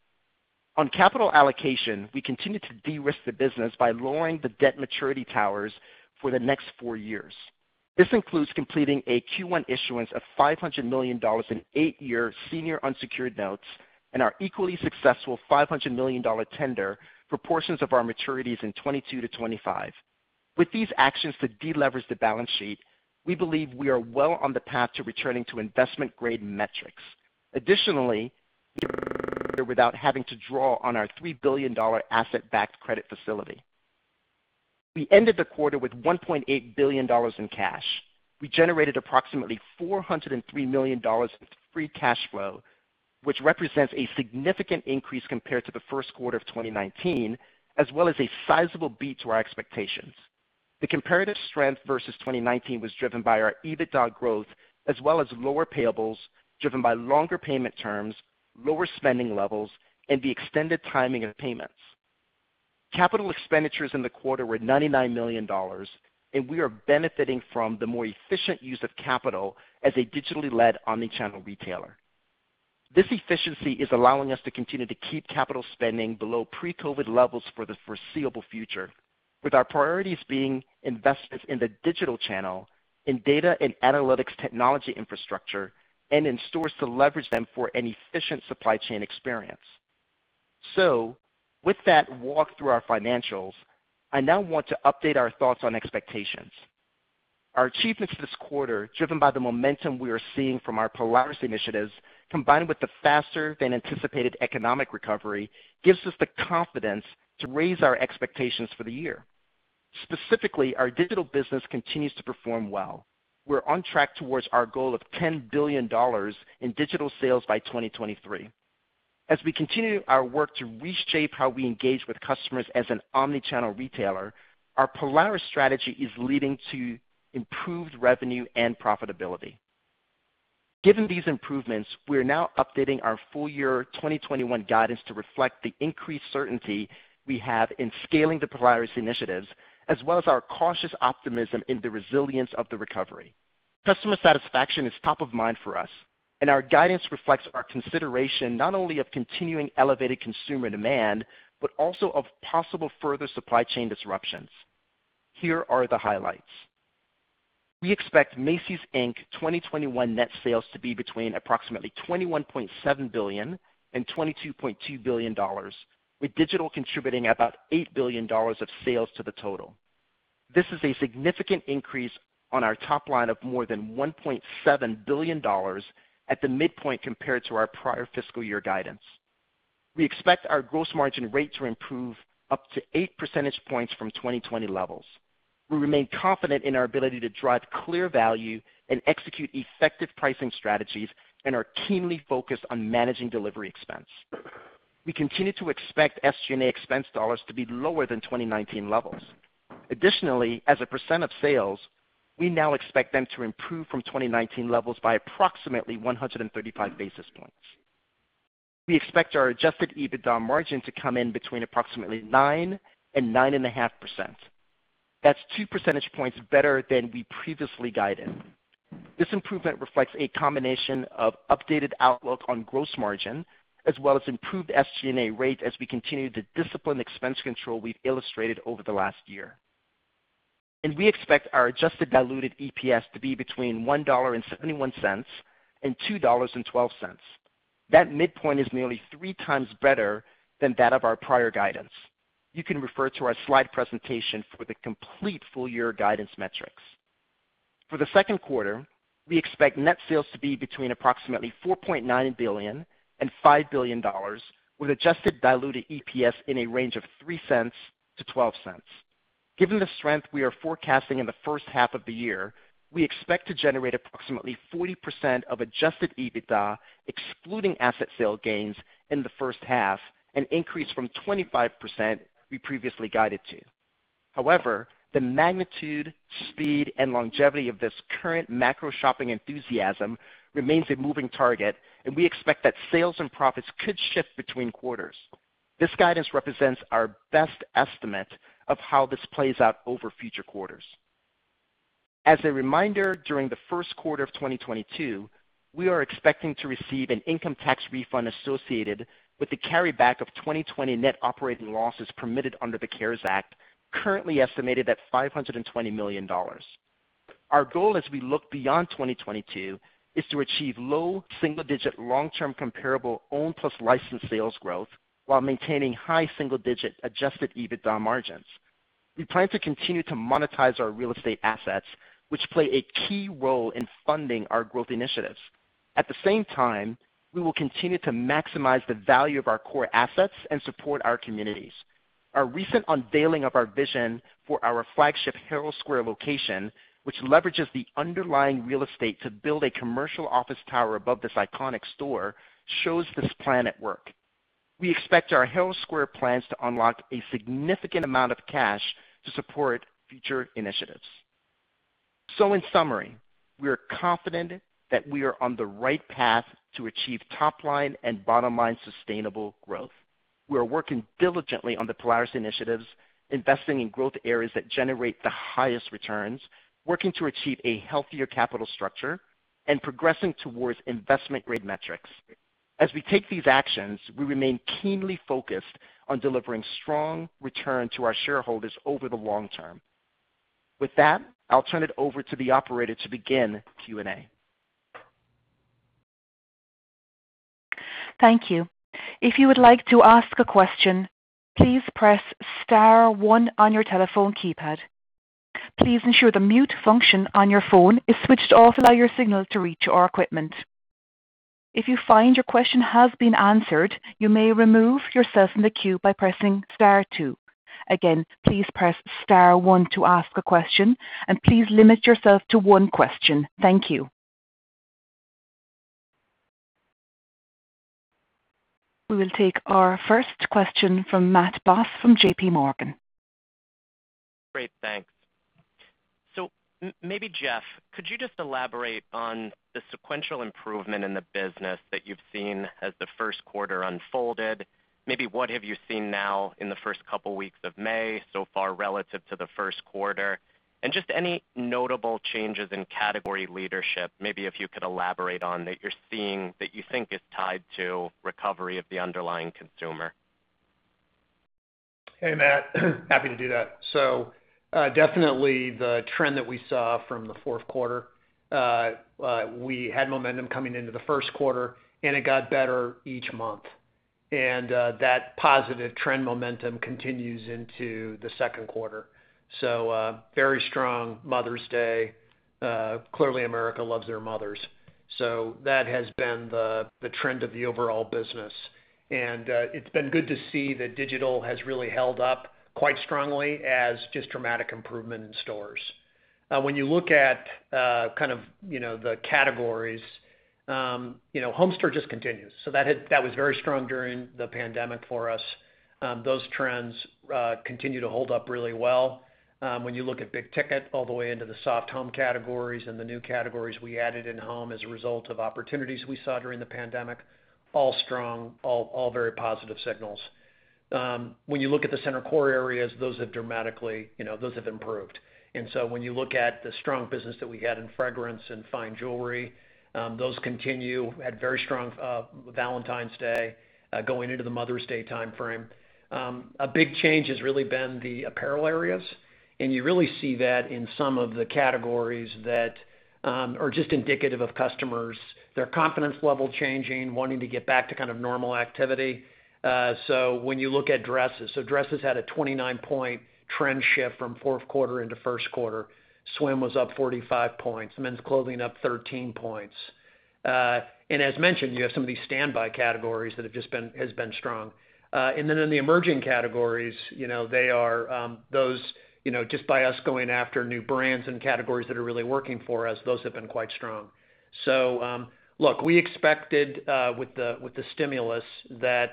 On capital allocation, we continue to de-risk the business by lowering the debt maturity towers for the next four years. This includes completing a Q1 issuance of $500 million in eight-year senior unsecured notes and our equally successful $500 million tender for portions of our maturities in 2022-2025. With these actions to de-leverage the balance sheet, we believe we are well on the path to returning to investment-grade metrics. Additionally, we are doing so without having to draw on our $3 billion asset-backed credit facility. We ended the quarter with $1.8 billion in cash. We generated approximately $403 million of free cash flow, which represents a significant increase compared to the first quarter of 2019, as well as a sizable beat to our expectations. The comparative strength versus 2019 was driven by our EBITDA growth as well as lower payables, driven by longer payment terms, lower spending levels, and the extended timing of payments. Capital expenditures in the quarter were $99 million, and we are benefiting from the more efficient use of capital as a digitally-led omni-channel retailer. This efficiency is allowing us to continue to keep capital spending below pre-COVID levels for the foreseeable future, with our priorities being invested in the digital channel, in data and analytics technology infrastructure, and in stores to leverage them for an efficient supply chain experience. With that walkthrough our financials, I now want to update our thoughts on expectations. Our achievements this quarter, driven by the momentum we are seeing from our Polaris initiatives, combined with the faster than anticipated economic recovery, gives us the confidence to raise our expectations for the year. Specifically, our digital business continues to perform well. We're on track towards our goal of $10 billion in digital sales by 2023. As we continue our work to reshape how we engage with customers as an omni-channel retailer, our Polaris strategy is leading to improved revenue and profitability. Given these improvements, we are now updating our full-year 2021 guidance to reflect the increased certainty we have in scaling the Polaris initiatives, as well as our cautious optimism in the resilience of the recovery. Customer satisfaction is top of mind for us, and our guidance reflects our consideration not only of continuing elevated consumer demand, but also of possible further supply chain disruptions. Here are the highlights. We expect Macy's, Inc. 2021 net sales to be between approximately $21.7 billion and $22.2 billion, with digital contributing about $8 billion of sales to the total. This is a significant increase on our top line of more than $1.7 billion at the midpoint compared to our prior fiscal year guidance. We expect our gross margin rate to improve up to 8 percentage points from 2020 levels. We remain confident in our ability to drive clear value and execute effective pricing strategies, and are keenly focused on managing delivery expense. We continue to expect SG&A expense dollars to be lower than 2019 levels. Additionally, as a percent of sales, we now expect them to improve from 2019 levels by approximately 135 basis points. We expect our adjusted EBITDA margin to come in between approximately 9% and 9.5%. That's two percentage points better than we previously guided. This improvement reflects a combination of updated outlook on gross margin as well as improved SG&A rate as we continue the disciplined expense control we've illustrated over the last year. We expect our adjusted diluted EPS to be between $1.71 and $2.12. That midpoint is nearly three times better than that of our prior guidance. You can refer to our slide presentation for the complete full-year guidance metrics. For the second quarter, we expect net sales to be between approximately $4.9 billion and $5 billion with adjusted diluted EPS in a range of $0.03-$0.12. Given the strength we are forecasting in the first half of the year, we expect to generate approximately 40% of adjusted EBITDA excluding asset sale gains in the first half, an increase from 25% we previously guided to. However, the magnitude, speed, and longevity of this current macro shopping enthusiasm remains a moving target, and we expect that sales and profits could shift between quarters. This guidance represents our best estimate of how this plays out over future quarters. As a reminder, during the first quarter of 2022, we are expecting to receive an income tax refund associated with the carryback of 2020 net operating losses permitted under the CARES Act, currently estimated at $520 million. Our goal as we look beyond 2022 is to achieve low single-digit long-term comparable owned plus licensed sales growth while maintaining high single-digit adjusted EBITDA margins. We plan to continue to monetize our real estate assets, which play a key role in funding our growth initiatives. At the same time, we will continue to maximize the value of our core assets and support our communities. Our recent unveiling of our vision for our flagship Herald Square location, which leverages the underlying real estate to build a commercial office tower above this iconic store, shows this plan at work. We expect our Herald Square plans to unlock a significant amount of cash to support future initiatives. In summary, we are confident that we are on the right path to achieve top-line and bottom-line sustainable growth. We are working diligently on the Polaris initiatives, investing in growth areas that generate the highest returns, working to achieve a healthier capital structure, and progressing towards investment-grade metrics. As we take these actions, we remain keenly focused on delivering strong returns to our shareholders over the long term. With that, I'll turn it over to the operator to begin Q&A. Thank you. If you would like yo ask a question please press star one on your telephone keypad. Please ensure the mute function on your phone is switched off to allow your signal to reach out equipment. If you find a question has been answered, you may remove yourself from the queue by pressing star two. Again, please press star one to ask a question, and please limit yourself to one question. Thank you. We will take our first question from Matt Boss from JPMorgan. Great. Thanks. Maybe, Jeff, could you just elaborate on the sequential improvement in the business that you've seen as the first quarter unfolded? Maybe what have you seen now in the first couple of weeks of May so far relative to the first quarter? Just any notable changes in category leadership, maybe if you could elaborate on that you're seeing that you think is tied to recovery of the underlying consumer. Hey, Matthew. Happy to do that. Definitely the trend that we saw from the fourth quarter, we had momentum coming into the first quarter and it got better each month. That positive trend momentum continues into the second quarter. Very strong Mother's Day. Clearly, America loves their mothers. That has been the trend of the overall business. It's been good to see that digital has really held up quite strongly as just dramatic improvement in stores. When you look at the categories, Home store just continues. That was very strong during the pandemic for us. Those trends continue to hold up really well. When you look at big ticket all the way into the soft home categories and the new categories we added in home as a result of opportunities we saw during the pandemic, all strong, all very positive signals. When you look at the center core areas, those have improved dramatically. When you look at the strong business that we had in fragrance and fine jewelry, those continue. Had a very strong Valentine's Day going into the Mother's Day timeframe. A big change has really been the apparel areas, and you really see that in some of the categories that are just indicative of customers, their confidence level changing, wanting to get back to normal activity. When you look at dresses had a 29 point trend shift from fourth quarter into first quarter. Swim was up 45 points, and then clothing up 13 points. As mentioned, some of these standby categories that have just been strong. In the emerging categories, they are those just by us going after new brands and categories that are really working for us, those have been quite strong. Look, we expected, with the stimulus, the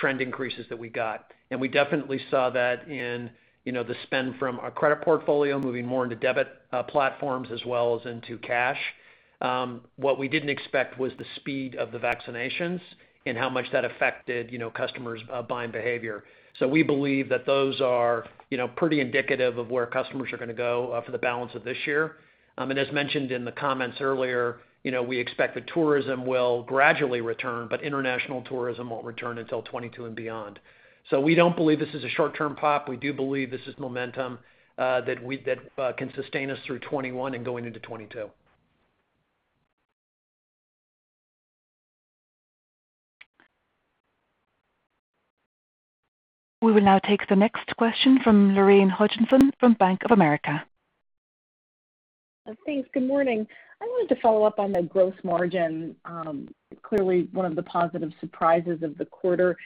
trend increases that we got. We definitely saw that in the spend from a credit portfolio moving more into debit platforms as well as into cash. What we didn't expect was the speed of the vaccinations and how much that affected customers' buying behavior. We believe that those are pretty indicative of where customers are going to go for the balance of this year. As mentioned in the comments earlier, we expect that tourism will gradually return, but international tourism won't return until 2022 and beyond. We don't believe this is a short-term pop. We do believe this is momentum that can sustain us through 2021 and going into 2022. We will now take the next question from Lorraine Hutchinson from Bank of America. Thanks. Good morning. I wanted to follow up on the gross margin. Clearly one of the positive surprises of the quarter.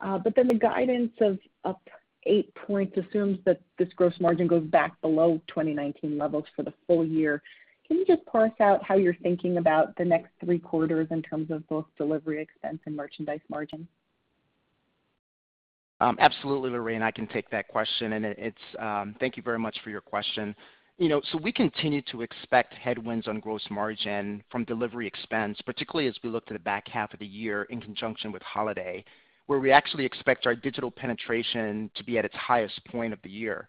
The guidance of up 8 points assumes that this gross margin goes back below 2019 levels for the full-year. Can you just parse out how you're thinking about the next three quarters in terms of both delivery expense and merchandise margin? Absolutely, Lorraine. I can take that question, and thank you very much for your question. We continue to expect headwinds on gross margin from delivery expense, particularly as we look at the back half of the year in conjunction with holiday, where we actually expect our digital penetration to be at its highest point of the year.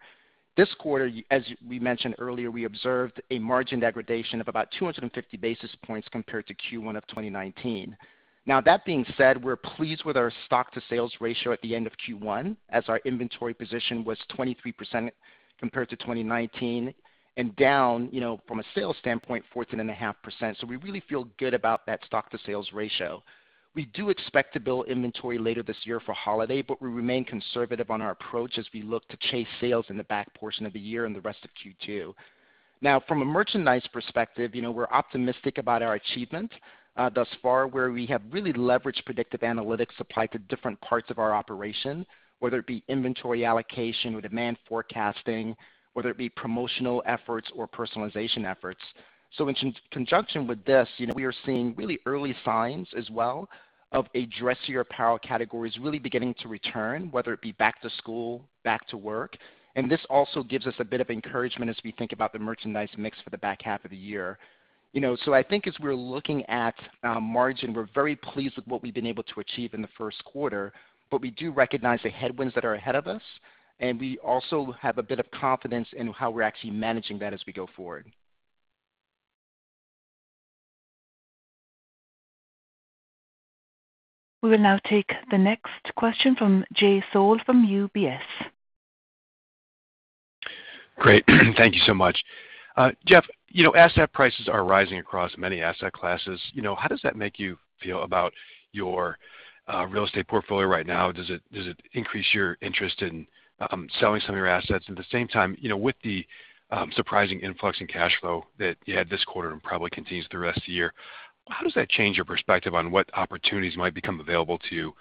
This quarter, as we mentioned earlier, we observed a margin degradation of about 250 basis points compared to Q1 2019. That being said, we're pleased with our stock to sales ratio at the end of Q1, as our inventory position was 23% compared to 2019 and down, from a sales standpoint, 14.5%. We really feel good about that stock to sales ratio. We do expect to build inventory later this year for holiday, but we remain conservative on our approach as we look to chase sales in the back portion of the year and the rest of Q2. Now, from a merchandise perspective, we're optimistic about our achievements thus far, where we have really leveraged predictive analytics applied to different parts of our operation, whether it be inventory allocation or demand forecasting, whether it be promotional efforts or personalization efforts. In conjunction with this, we are seeing really early signs as well of a dressier apparel categories really beginning to return, whether it be back to school, back to work. This also gives us a bit of encouragement as we think about the merchandise mix for the back half of the year. I think as we're looking at margin, we're very pleased with what we've been able to achieve in the first quarter, but we do recognize the headwinds that are ahead of us, and we also have a bit of confidence in how we're actually managing that as we go forward. We will now take the next question from Jay Sole from UBS. Great. Thank you so much. Jeff, asset prices are rising across many asset classes. How does that make you feel about your real estate portfolio right now? Does it increase your interest in selling some of your assets? At the same time, with the surprising influx in cash flow that you had this quarter and probably continues the rest of the year, how does that change your perspective on what opportunities might become available to you,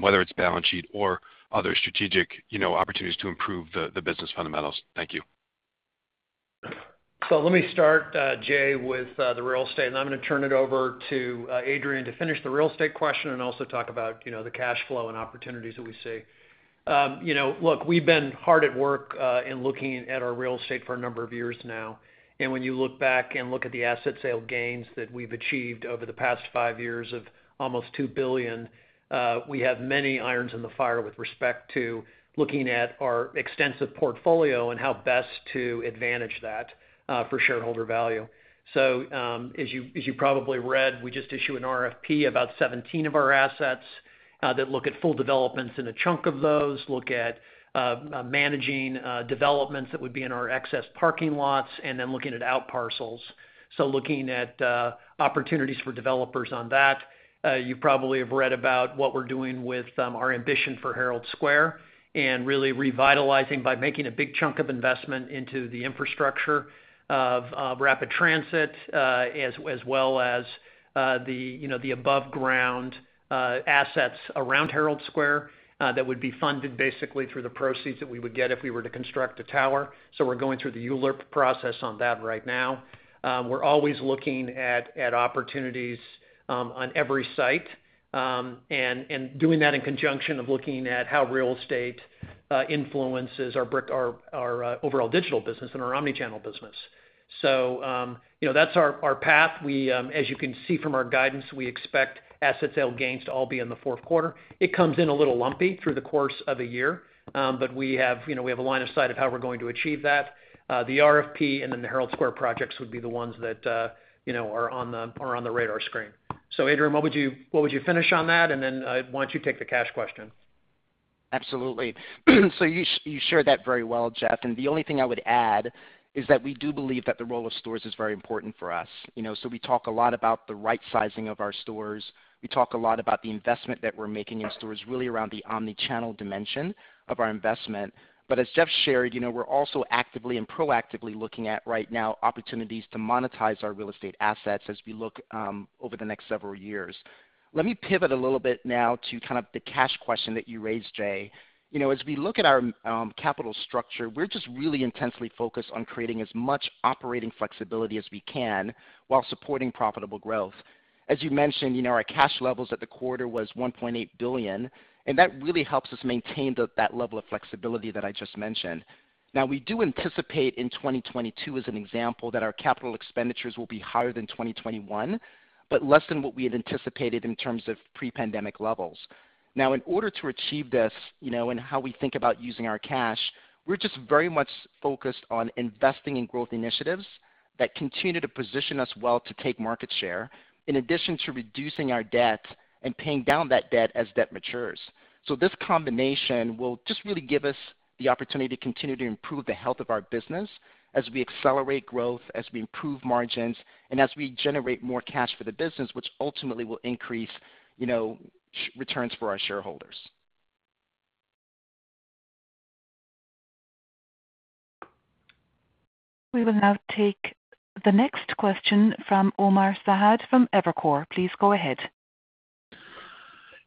whether it's balance sheet or other strategic opportunities to improve the business fundamentals? Thank you. Let me start, Jay, with the real estate, and then I'm going to turn it over to Adrian to finish the real estate question and also talk about the cash flow and opportunities that we see. Look, we've been hard at work in looking at our real estate for a number of years now. When you look back and look at the asset sale gains that we've achieved over the past five years of almost $2 billion, we have many irons in the fire with respect to looking at our extensive portfolio and how best to advantage that for shareholder value. As you probably read, we just issued an RFP, about 17 of our assets that look at full developments in a chunk of those, look at managing developments that would be in our excess parking lots, and then looking at outparcels. Looking at opportunities for developers on that. You probably have read about what we're doing with our ambition for Herald Square and really revitalizing by making a big chunk of investment into the infrastructure of rapid transit, as well as the above ground assets around Herald Square that would be funded basically through the proceeds that we would get if we were to construct a tower. We're going through the ULURP process on that right now. We're always looking at opportunities on every site, and doing that in conjunction of looking at how real estate influences our overall digital business and our omnichannel business. That's our path. As you can see from our guidance, we expect asset sale gains to all be in the fourth quarter. It comes in a little lumpy through the course of a year. We have a line of sight of how we're going to achieve that. The RFP and then the Herald Square projects would be the ones that are on the radar screen. Adrian, what would you finish on that, and then why don't you take the cash question? Absolutely. You shared that very well, Jeff, and the only thing I would add is that we do believe that the role of stores is very important for us. We talk a lot about the right sizing of our stores. We talk a lot about the investment that we're making in stores, really around the omni-channel dimension of our investment. As Jeff shared, we're also actively and proactively looking at right now opportunities to monetize our real estate assets as we look over the next several years. Let me pivot a little bit now to the cash question that you raised, Jay. As we look at our capital structure, we're just really intensely focused on creating as much operating flexibility as we can while supporting profitable growth. As you mentioned, our cash levels at the quarter was $1.8 billion, and that really helps us maintain that level of flexibility that I just mentioned. Now, we do anticipate in 2022, as an example, that our capital expenditures will be higher than 2021, but less than what we had anticipated in terms of pre-pandemic levels. Now, in order to achieve this, and how we think about using our cash, we're just very much focused on investing in growth initiatives that continue to position us well to take market share, in addition to reducing our debt and paying down that debt as debt matures. This combination will just really give us the opportunity to continue to improve the health of our business as we accelerate growth, as we improve margins, and as we generate more cash for the business, which ultimately will increase returns for our shareholders. We will now take the next question from Omar Saad from Evercore. Please go ahead.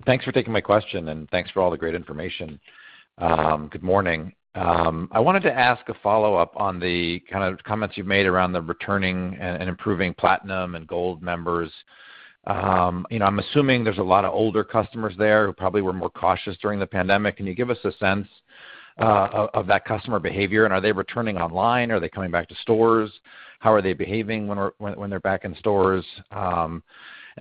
Thanks for taking my question and thanks for all the great information. Good morning. I wanted to ask a follow-up on the comments you made around the returning and improving Platinum and Gold members. I'm assuming there's a lot of older customers there who probably were more cautious during the pandemic. Can you give us a sense of that customer behavior? Are they returning online? Are they coming back to stores? How are they behaving when they're back in stores?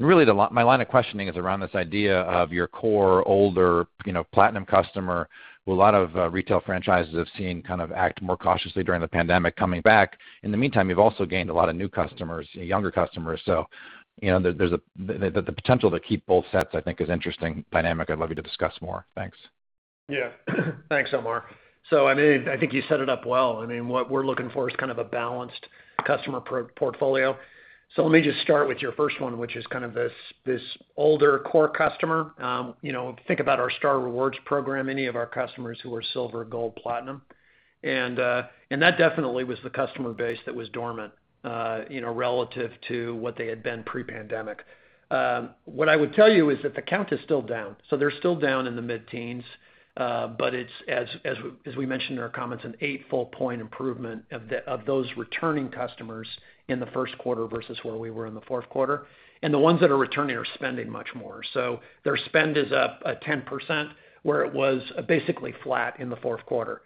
Really, my line of questioning is around this idea of your core, older, Platinum customer, who a lot of retail franchises have seen kind of act more cautiously during the pandemic coming back. In the meantime, you've also gained a lot of new customers, younger customers. The potential to keep both sets, I think, is interesting dynamic I'd love to discuss more. Thanks. Thanks, Omar. I think you set it up well. What we're looking for is kind of a balanced customer portfolio. Let me just start with your first one, which is kind of this older core customer. Think about our Star Rewards program, any of our customers who are Silver, Gold, Platinum. That definitely was the customer base that was dormant, relative to what they had been pre-pandemic. What I would tell you is that the count is still down. They're still down in the mid-teens. It's, as we mentioned in our comments, an eight full point improvement of those returning customers in the first quarter versus where we were in the fourth quarter. The ones that are returning are spending much more. Their spend is up 10%, where it was basically flat in the fourth quarter.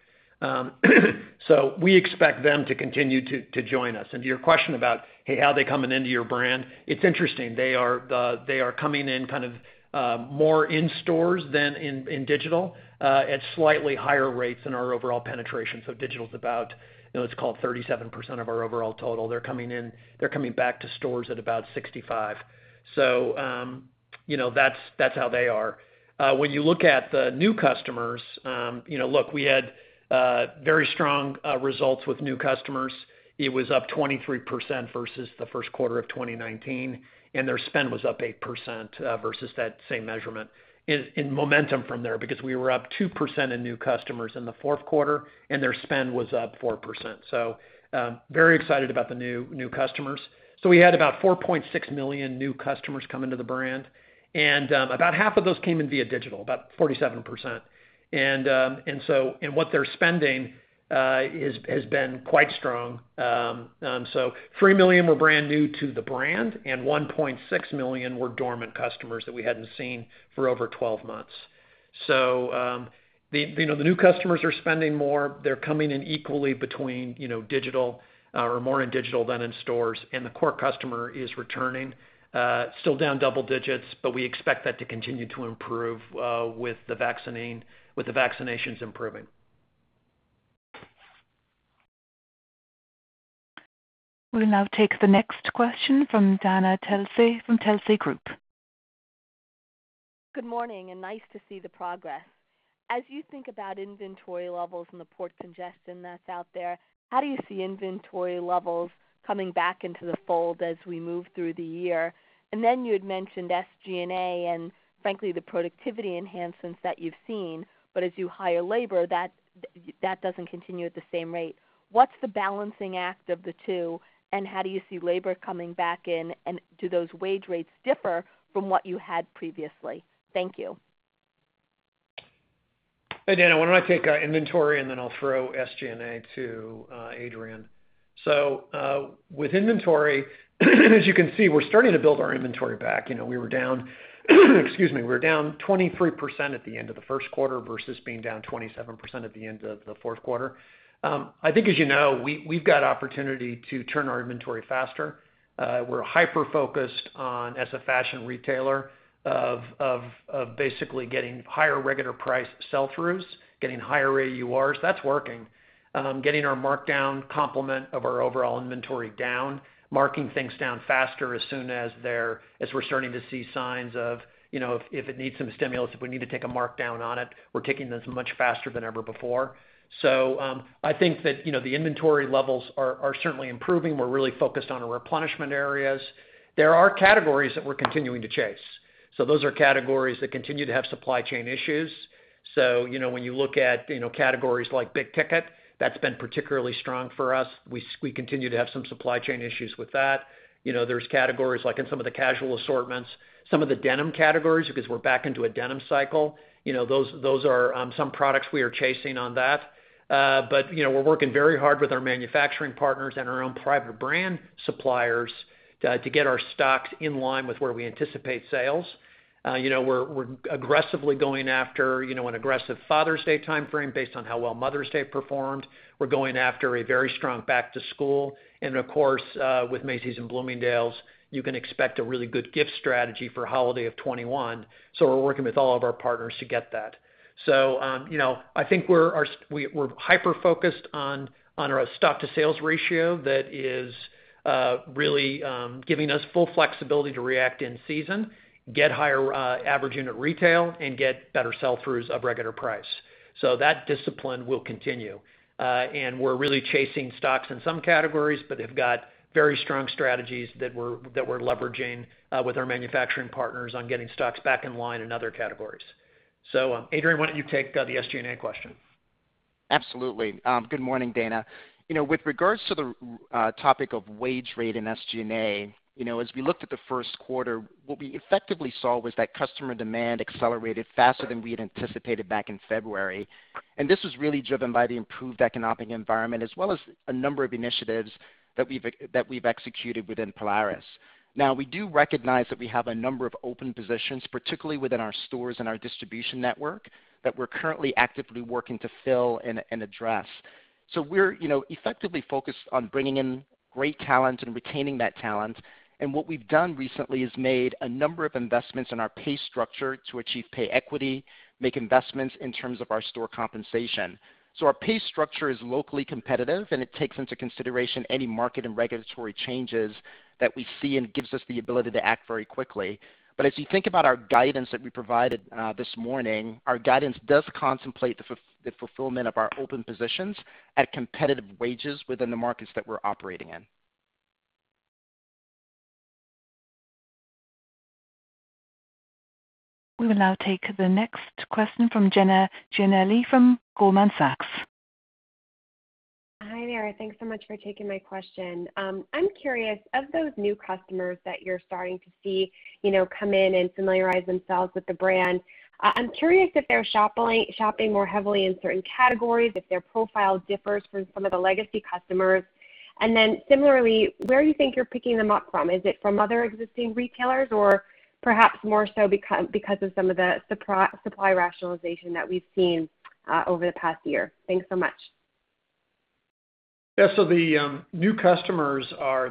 We expect them to continue to join us. To your question about how they coming into your brand, it's interesting. They are coming in kind of more in stores than in digital, at slightly higher rates than our overall penetration. Digital is about, let's call it 37% of our overall total. They're coming back to stores at about 65%. That's how they are. When you look at the new customers, look, we had very strong results with new customers. It was up 23% versus the first quarter of 2019, and their spend was up 8% versus that same measurement in momentum from there, because we were up 2% in new customers in the fourth quarter and their spend was up 4%. Very excited about the new customers. We had about 4.6 million new customers come into the brand, and about half of those came in via digital, about 47%. What they're spending has been quite strong. 3 million were brand new to the brand, and 1.6 million were dormant customers that we hadn't seen for over 12 months. The new customers are spending more. They're coming in equally between digital or more in digital than in stores. The core customer is returning. Still down double digits, but we expect that to continue to improve with the vaccinations improving. We'll now take the next question from Dana Telsey from Telsey Group. Good morning, and nice to see the progress. As you think about inventory levels and the port congestion that's out there, how do you see inventory levels coming back into the fold as we move through the year? You had mentioned SG&A and frankly, the productivity enhancements that you've seen. But as you hire labor, that doesn't continue at the same rate. What's the balancing act of the two, and how do you see labor coming back in, and do those wage rates differ from what you had previously? Thank you. Hey, Dana, why don't I take inventory, and then I'll throw SGA to Adrian. With inventory, as you can see, we're starting to build our inventory back. We were down, excuse me, we were down 23% at the end of the first quarter versus being down 27% at the end of the fourth quarter. I think, as you know, we've got opportunity to turn our inventory faster. We're hyper-focused on, as a fashion retailer, of basically getting higher regular priced sell-throughs, getting higher AURs. That's working. Getting our markdown complement of our overall inventory down, marking things down faster as soon as we're starting to see signs of if it needs some stimulus, we need to take a markdown on it. We're taking this much faster than ever before. I think that the inventory levels are certainly improving. We're really focused on our replenishment areas. There are categories that we're continuing to chase. Those are categories that continue to have supply chain issues. When you look at categories like big ticket, that's been particularly strong for us. We continue to have some supply chain issues with that. There's categories like in some of the casual assortments, some of the denim categories, because we're back into a denim cycle. Those are some products we are chasing on that. We're working very hard with our manufacturing partners and our own private brand suppliers to get our stocks in line with where we anticipate sales. We're aggressively going after an aggressive Father's Day timeframe based on how well Mother's Day performed. We're going after a very strong back to school. Of course, with Macy's and Bloomingdale's, you can expect a really good gift strategy for holiday of 2021. We are working with all of our partners to get that. I think we are hyper-focused on our stock to sales ratio that is really giving us full flexibility to react in season, get higher average unit retail, and get better sell-throughs of regular price. That discipline will continue. We are really chasing stocks in some categories, but have got very strong strategies that we are leveraging with our manufacturing partners on getting stocks back in line in other categories. Adrian, why don't you take the SG&A question? Absolutely. Good morning, Dana. With regards to the topic of wage rate and SGA, as we looked at the first quarter, what we effectively saw was that customer demand accelerated faster than we had anticipated back in February. This was really driven by the improved economic environment, as well as a number of initiatives that we've executed within Polaris. Now, we do recognize that we have a number of open positions, particularly within our stores and our distribution network, that we're currently actively working to fill and address. We're effectively focused on bringing in great talent and retaining that talent. What we've done recently is made a number of investments in our pay structure to achieve pay equity, make investments in terms of our store compensation. Our pay structure is locally competitive, and it takes into consideration any market and regulatory changes that we see and gives us the ability to act very quickly. As you think about our guidance that we provided this morning, our guidance does contemplate the fulfillment of our open positions at competitive wages within the markets that we're operating in. We will now take the next question from Jenna Giannelli from Goldman Sachs. Hi there. Thanks so much for taking my question. I'm curious, of those new customers that you're starting to see, come in and familiarize themselves with the brand, I'm curious if they're shopping more heavily in certain categories, if their profile differs from some of the legacy customers. Similarly, where do you think you're picking them up from? Is it from other existing retailers or perhaps more so because of some of the supply rationalization that we've seen over the past year? Thanks so much. The new customers,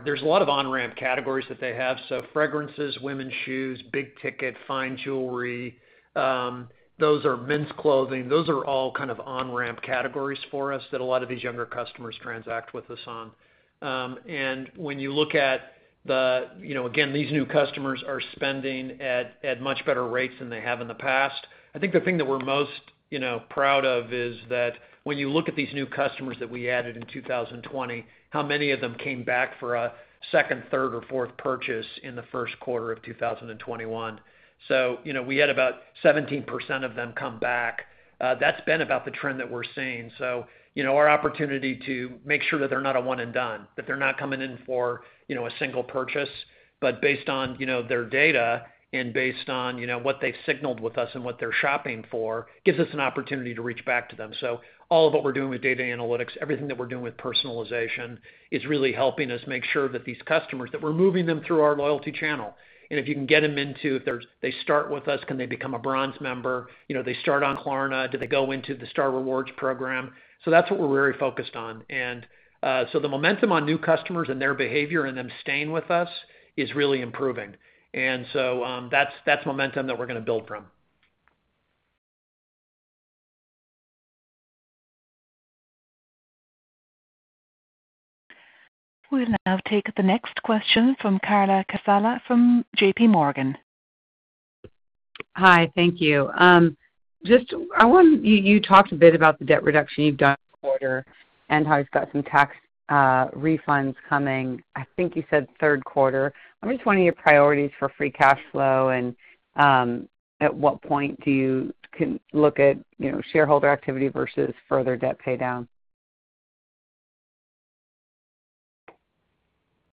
there's a lot of on-ramp categories that they have. Fragrances, women's shoes, big ticket, fine jewelry. Those are men's clothing. Those are all kind of on-ramp categories for us that a lot of these younger customers transact with us on. When you look at, again, these new customers are spending at much better rates than they have in the past. I think the thing that we're most proud of is that when you look at these new customers that we added in 2020, how many of them came back for a second, third, or fourth purchase in the first quarter of 2021. We had about 17% of them come back. That's been about the trend that we're seeing. Our opportunity to make sure that they're not a one and done, that they're not coming in for a single purchase. Based on their data and based on what they signaled with us and what they're shopping for, gives us an opportunity to reach back to them. All of what we're doing with data analytics, everything that we're doing with personalization, is really helping us make sure that these customers, that we're moving them through our loyalty channel. If you can get them into, if they start with us, can they become a bronze member? They start on Klarna, do they go into the Star Rewards program? That's what we're very focused on. The momentum on new customers and their behavior and them staying with us is really improving. That's momentum that we're going to build from. We'll now take the next question from Carla Casella from JPMorgan. Hi. Thank you. You talked a bit about the debt reduction you've done this quarter and how you've got some tax refunds coming, I think you said third quarter. I'm just wondering your priorities for free cash flow and, at what point do you look at shareholder activity versus further debt pay down?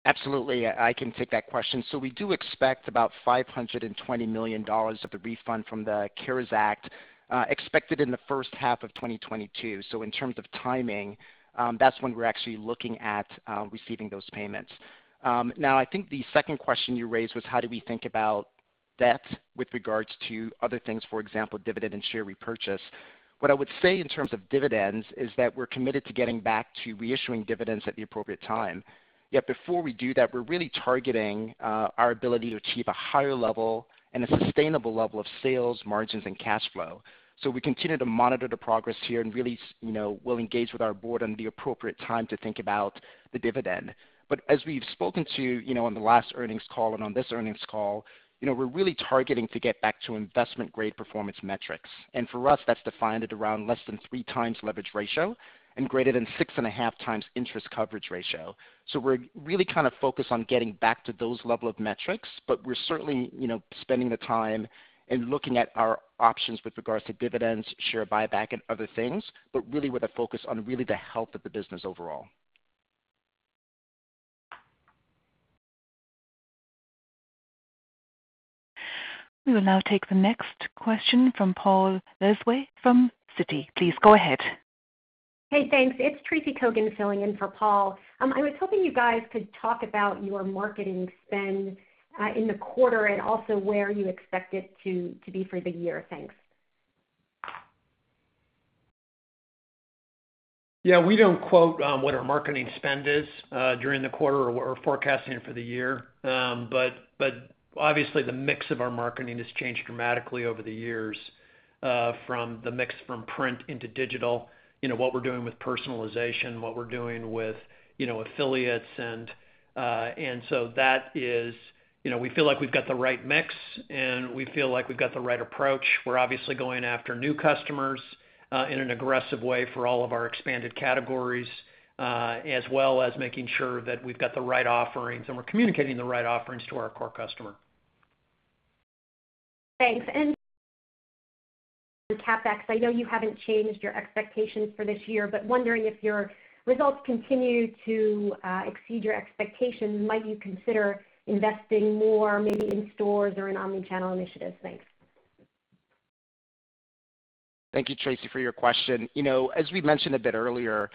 Absolutely. I can take that question. We do expect about $520 million of the refund from the CARES Act expected in the first half of 2022. In terms of timing, that's when we're actually looking at receiving those payments. I think the second question you raised was how do we think about debt with regards to other things, for example, dividend share repurchase. What I would say in terms of dividends is that we're committed to getting back to reissuing dividends at the appropriate time. Before we do that, we're really targeting our ability to achieve a higher level and a sustainable level of sales margins and cash flow. We continue to monitor the progress here, and really, we'll engage with our board on the appropriate time to think about the dividend. As we've spoken to on the last earnings call and on this earnings call, we're really targeting to get back to investment-grade performance metrics. For us, that's defined at around less than three times leverage ratio and greater than six and a half times interest coverage ratio. We're really focused on getting back to those level of metrics, but we're certainly spending the time and looking at our options with regards to dividends, share buyback and other things, but really with a focus on really the health of the business overall. We will now take the next question from Paul Lejuez from Citi. Please go ahead. Hey, thanks. It's Tracy Kogan filling in for Paul. I was hoping you guys could talk about your marketing spend in the quarter and also where you expect it to be for the year. Thanks. Yeah, we don't quote what our marketing spend is during the quarter or forecasting for the year. Obviously the mix of our marketing has changed dramatically over the years, from the mix from print into digital, what we're doing with personalization, what we're doing with affiliates. We feel like we've got the right mix, and we feel like we've got the right approach. We're obviously going after new customers in an aggressive way for all of our expanded categories, as well as making sure that we've got the right offerings and we're communicating the right offerings to our core customer. Thanks. With CapEx, I know you haven't changed your expectations for this year, wondering if your results continue to exceed your expectations, might you consider investing more maybe in stores or in omnichannel initiatives? Thanks. Thank you, Tracy, for your question. As we mentioned a bit earlier,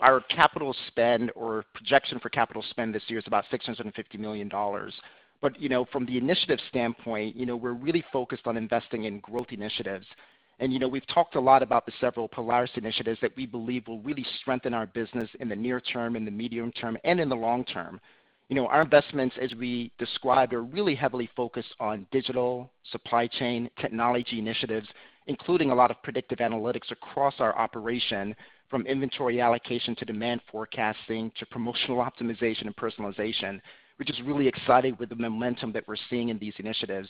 our capital spend or projection for capital spend this year is about $650 million. From the initiative standpoint, we're really focused on investing in growth initiatives. We've talked a lot about the several Polaris initiatives that we believe will really strengthen our business in the near term, in the medium term, and in the long term. Our investments, as we described, are really heavily focused on digital supply chain technology initiatives, including a lot of predictive analytics across our operation, from inventory allocation to demand forecasting, to promotional optimization and personalization, which is really exciting with the momentum that we're seeing in these initiatives.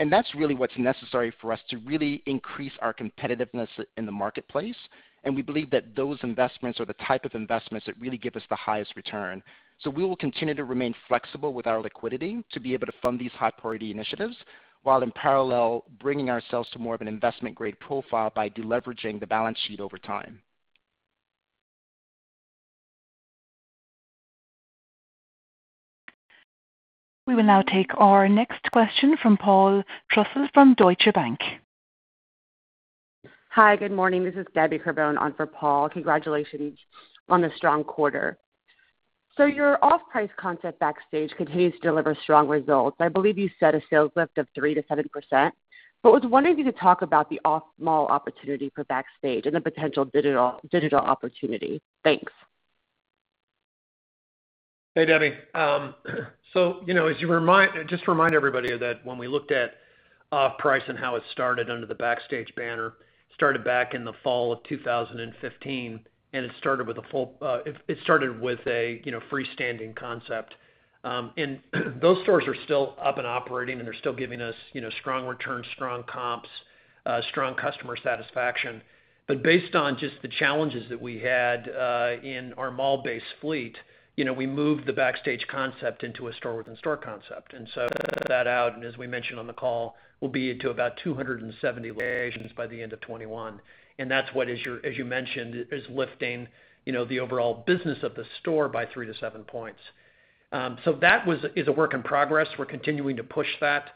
That's really what's necessary for us to really increase our competitiveness in the marketplace, and we believe that those investments are the type of investments that really give us the highest return. We will continue to remain flexible with our liquidity to be able to fund these high-priority initiatives, while in parallel, bringing ourselves to more of an investment-grade profile by deleveraging the balance sheet over time. We will now take our next question from Paul Trussell from Deutsche Bank. Hi, good morning. This is Debbie Carbon on for Paul. Congratulations on a strong quarter. Your off-price concept Backstage continues to deliver strong results. I believe you said a sales lift of 3%-7%, was wondering if you could talk about the off-mall opportunity for Backstage and the potential digital opportunity. Thanks. Hey, Debbie. Just remind everybody that when we looked at off-price and how it started under the Backstage banner, started back in the fall of 2015, and it started with a freestanding concept. Those stores are still up and operating, and they're still giving us strong returns, strong comps, strong customer satisfaction. Based on just the challenges that we had in our mall-based fleet, we moved the Backstage concept into a store-within-store concept. With that out, and as we mentioned on the call, we'll be into about 270 locations by the end of 2021. That's what, as you mentioned, is lifting the overall business of the store by three to seven points. That is a work in progress. We're continuing to push that.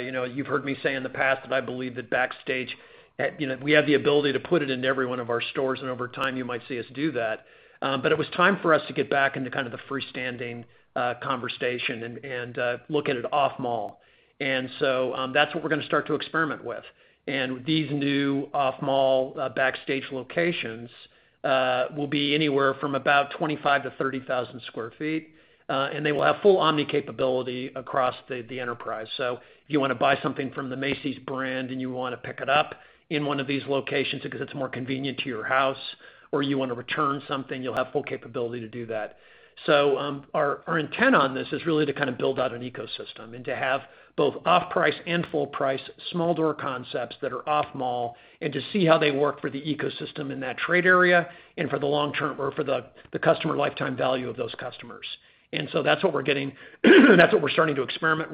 You've heard me say in the past that I believe that Backstage, we have the ability to put it in every one of our stores, and over time you might see us do that. It was time for us to get back into kind of the freestanding conversation and look at it off-mall. That's what we're going to start to experiment with. These new off-mall Backstage locations will be anywhere from about 25,000 to 30,000 square feet, and they will have full omni capability across the enterprise. You want to buy something from the Macy's brand and you want to pick it up in one of these locations because it's more convenient to your house, or you want to return something, you'll have full capability to do that. Our intent on this is really to build out an ecosystem and to have both off-price and full-price small door concepts that are off-mall, and to see how they work for the ecosystem in that trade area and for the long term or for the customer lifetime value of those customers. That's what we're starting to experiment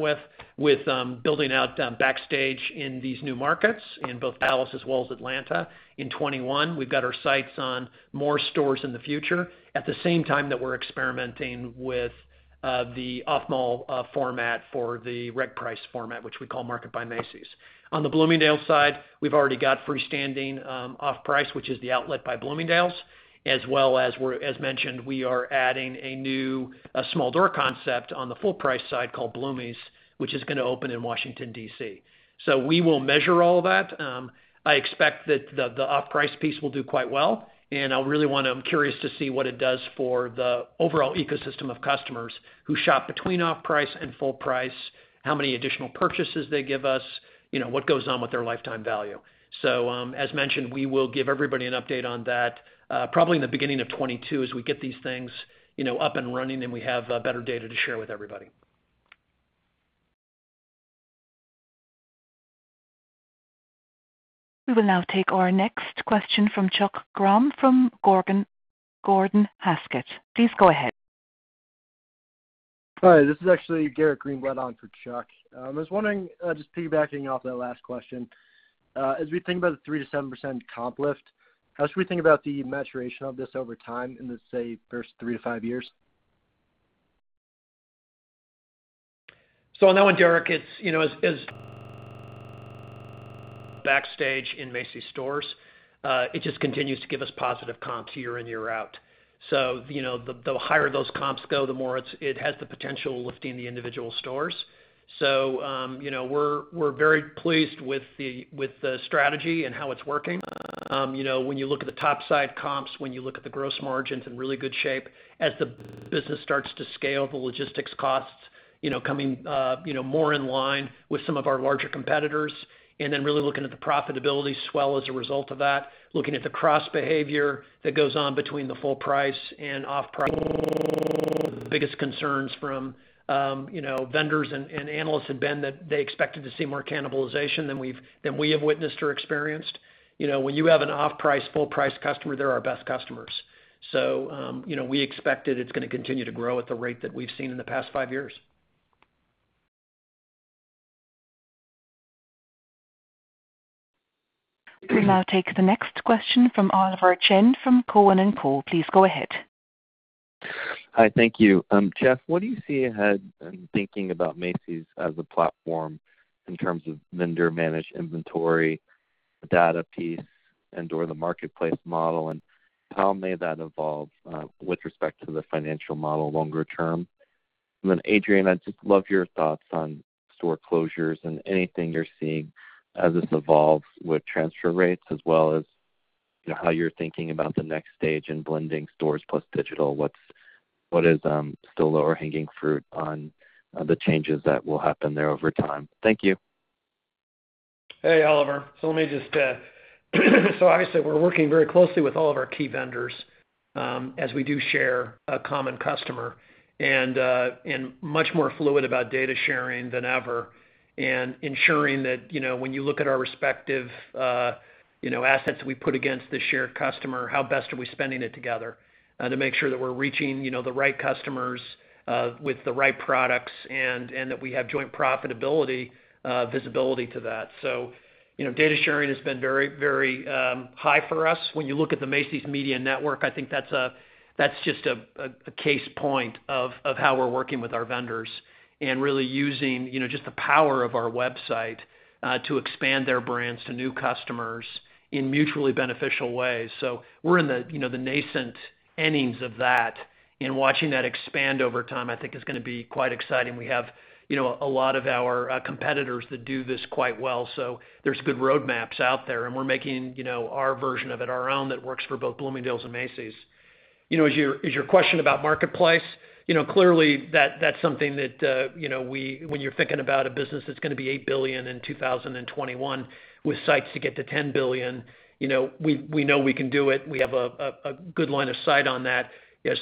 with building out Backstage in these new markets in both Dallas as well as Atlanta in 2021. We've got our sights on more stores in the future. At the same time that we're experimenting with the off-mall format for the right price format, which we call Market by Macy's. On the Bloomingdale's side, we've already got freestanding off-price, which is the Outlet by Bloomingdale's, as well as mentioned, we are adding a new small door concept on the full-price side called Bloomie's, which is going to open in Washington, D.C. We will measure all that. I expect that the off-price piece will do quite well, and I'm curious to see what it does for the overall ecosystem of customers who shop between off-price and full price, how many additional purchases they give us, what goes on with their lifetime value. As mentioned, we will give everybody an update on that, probably in the beginning of 2022 as we get these things up and running and we have better data to share with everybody. We will now take our next question from Chuck Grom from Gordon Haskett. Please go ahead. Hi, this is actually Garrett Greenblatt on for Chuck. I was wondering, just piggybacking off that last question, as we think about the 3%-7% comp lift, how should we think about the maturation of this over time in, let's say, the first three to five years? No, Garrett, as Backstage in Macy's stores, it just continues to give us positive comps year in, year out. The higher those comps go, the more it has the potential of lifting the individual stores. We're very pleased with the strategy and how it's working. When you look at the top side comps, when you look at the gross margins in really good shape. The business starts to scale, the logistics costs coming more in line with some of our larger competitors, and then really looking at the profitability swell as a result of that, looking at the cross behavior that goes on between the full price and off-price. Biggest concerns from vendors and analysts have been that they expected to see more cannibalization than we have witnessed or experienced. When you have an off-price, full-price customer, they're our best customers. We expect that it's going to continue to grow at the rate that we've seen in the past five years. We will now take the next question from Oliver Chen from Cowen & Co. Please go ahead. Hi, thank you. Jeff, what do you see ahead in thinking about Macy's as a platform in terms of vendor-managed inventory, the data piece, and/or the marketplace model, and how may that evolve with respect to the financial model longer term? Adrian, I'd just love your thoughts on store closures and anything you're seeing as this evolves with transfer rates, as well as how you're thinking about the next stage in blending stores plus digital. What is the lower hanging fruit on the changes that will happen there over time? Thank you. Hey, Oliver. like I said, we're working very closely with all of our key vendors, as we do share a common customer, and much more fluid about data sharing than ever and ensuring that when you look at our respective assets we put against the shared customer, how best are we spending it together to make sure that we're reaching the right customers with the right products and that we have joint profitability visibility to that. Data sharing has been very high for us. When you look at the Macy's Media Network, I think that's just a case point of how we're working with our vendors and really using just the power of our website to expand their brands to new customers in mutually beneficial ways. We're in the nascent innings of that, and watching that expand over time, I think is going to be quite exciting. We have a lot of our competitors that do this quite well, so there's good roadmaps out there, and we're making our version of it, our own, that works for both Bloomingdale's and Macy's. As your question about marketplace, clearly that's something that when you're thinking about a business that's going to be $8 billion in 2021 with sights to get to $10 billion, we know we can do it. We have a good line of sight on that.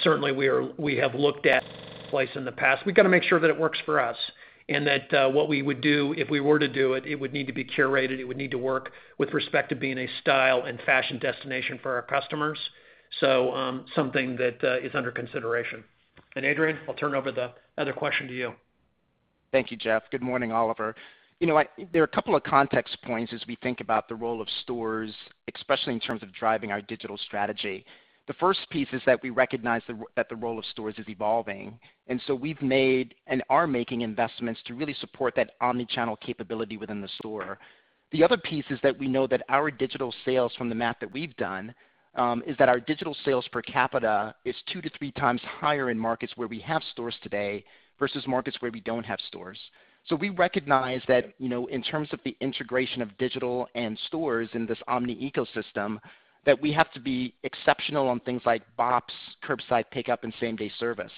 Certainly, we have looked at marketplace in the past. We've got to make sure that it works for us and that what we would do if we were to do it would need to be curated. It would need to work with respect to being a style and fashion destination for our customers. Something that is under consideration. Adrian, I'll turn over the other question to you. Thank you, Jeff. Good morning, Oliver. There are a couple of context points as we think about the role of stores, especially in terms of driving our digital strategy. The first piece is that we recognize that the role of stores is evolving. We've made and are making investments to really support that omni-channel capability within the store. The other piece is that we know that our digital sales from the math that we've done, is that our digital sales per capita is two to three times higher in markets where we have stores today versus markets where we don't have stores. We recognize that, in terms of the integration of digital and stores in this omni ecosystem, that we have to be exceptional on things like BOPIS, curbside pickup, and same-day service.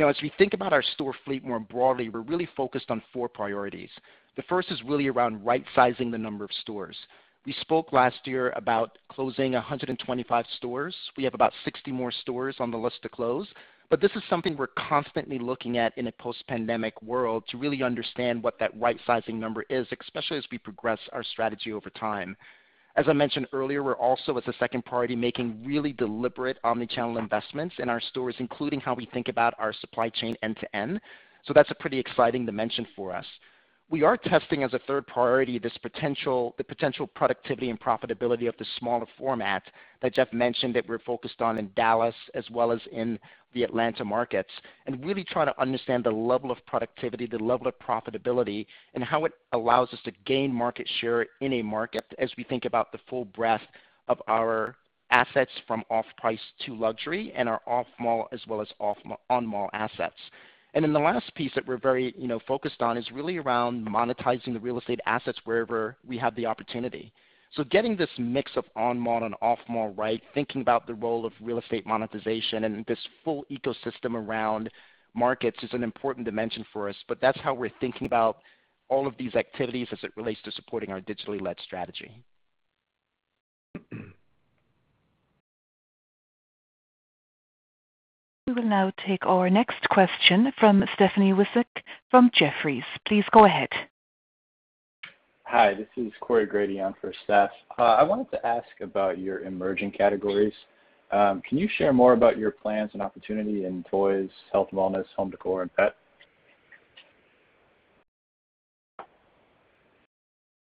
As we think about our store fleet more broadly, we're really focused on four priorities. The first is really around right-sizing the number of stores. We spoke last year about closing 125 stores. We have about 60 more stores on the list to close, but this is something we're constantly looking at in a post-pandemic world to really understand what that right-sizing number is, especially as we progress our strategy over time. As I mentioned earlier, we're also, as a second priority, making really deliberate omni-channel investments in our stores, including how we think about our supply chain end to end. That's a pretty exciting dimension for us. We are testing, as a third priority, the potential productivity and profitability of the smaller format that Jeff mentioned, that we're focused on in Dallas as well as in the Atlanta markets, really trying to understand the level of productivity, the level of profitability, and how it allows us to gain market share in a market as we think about the full breadth of our assets from off-price to luxury and our off-mall as well as on-mall assets. The last piece that we're very focused on is really around monetizing the real estate assets wherever we have the opportunity. Getting this mix of on-mall and off-mall right, thinking about the role of real estate monetization and this full ecosystem around markets is an important dimension for us, that's how we're thinking about all of these activities as it relates to supporting our digitally led strategy. We will now take our next question from Stephanie Wissink from Jefferies. Please go ahead. Hi, this is Corey Grady on for Steph. I wanted to ask about your emerging categories. Can you share more about your plans and opportunity in toys, health and wellness, home decor, and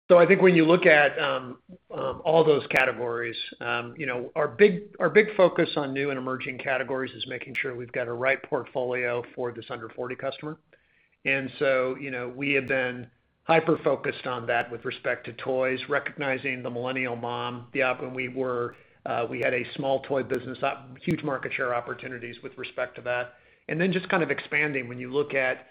pet? I think when you look at all those categories, our big focus on new and emerging categories is making sure we've got a right portfolio for this under 40 customer. We have been hyper-focused on that with respect to toys, recognizing the millennial mom. Yep, we had a small toy business, huge market share opportunities with respect to that. Then just kind of expanding when you look at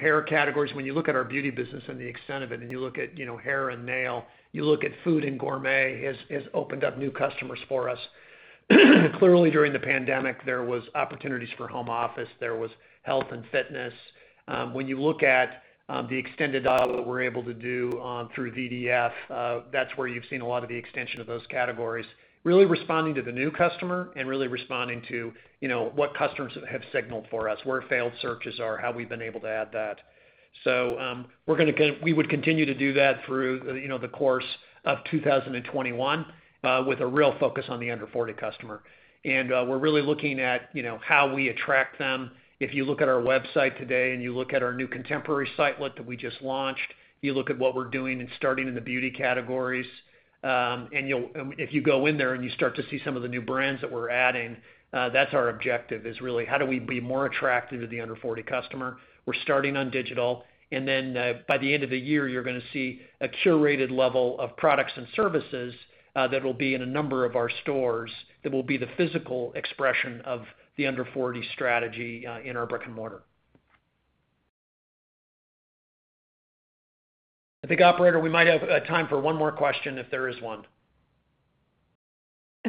hair categories, when you look at our beauty business and the extent of it, and you look at hair and nail, you look at food and gourmet has opened up new customers for us. Clearly, during the pandemic, there was opportunities for home office. There was health and fitness. When you look at the extended dollar that we're able to do through VDF, that's where you've seen a lot of the extension of those categories, really responding to the new customer and really responding to what customers have signaled for us, where failed searches are, how we've been able to add that. We would continue to do that through the course of 2021, with a real focus on the under 40 customer. We're really looking at how we attract them. If you look at our website today and you look at our new contemporary site look that we just launched, you look at what we're doing and starting in the beauty categories. If you go in there and you start to see some of the new brands that we're adding, that's our objective, is really how do we be more attractive to the under 40 customer? Then by the end of the year, you're going to see a curated level of products and services that'll be in a number of our stores. It'll be the physical expression of the under 40 strategy in our brick and mortar. I think, operator, we might have time for one more question if there is one.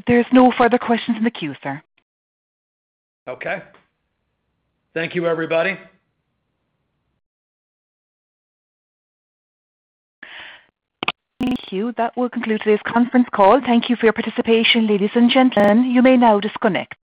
There's no further questions in the queue, sir. Okay. Thank you everybody. Thank you. That will conclude this conference call. Thank you for your participation, ladies and gentlemen. You may now disconnect.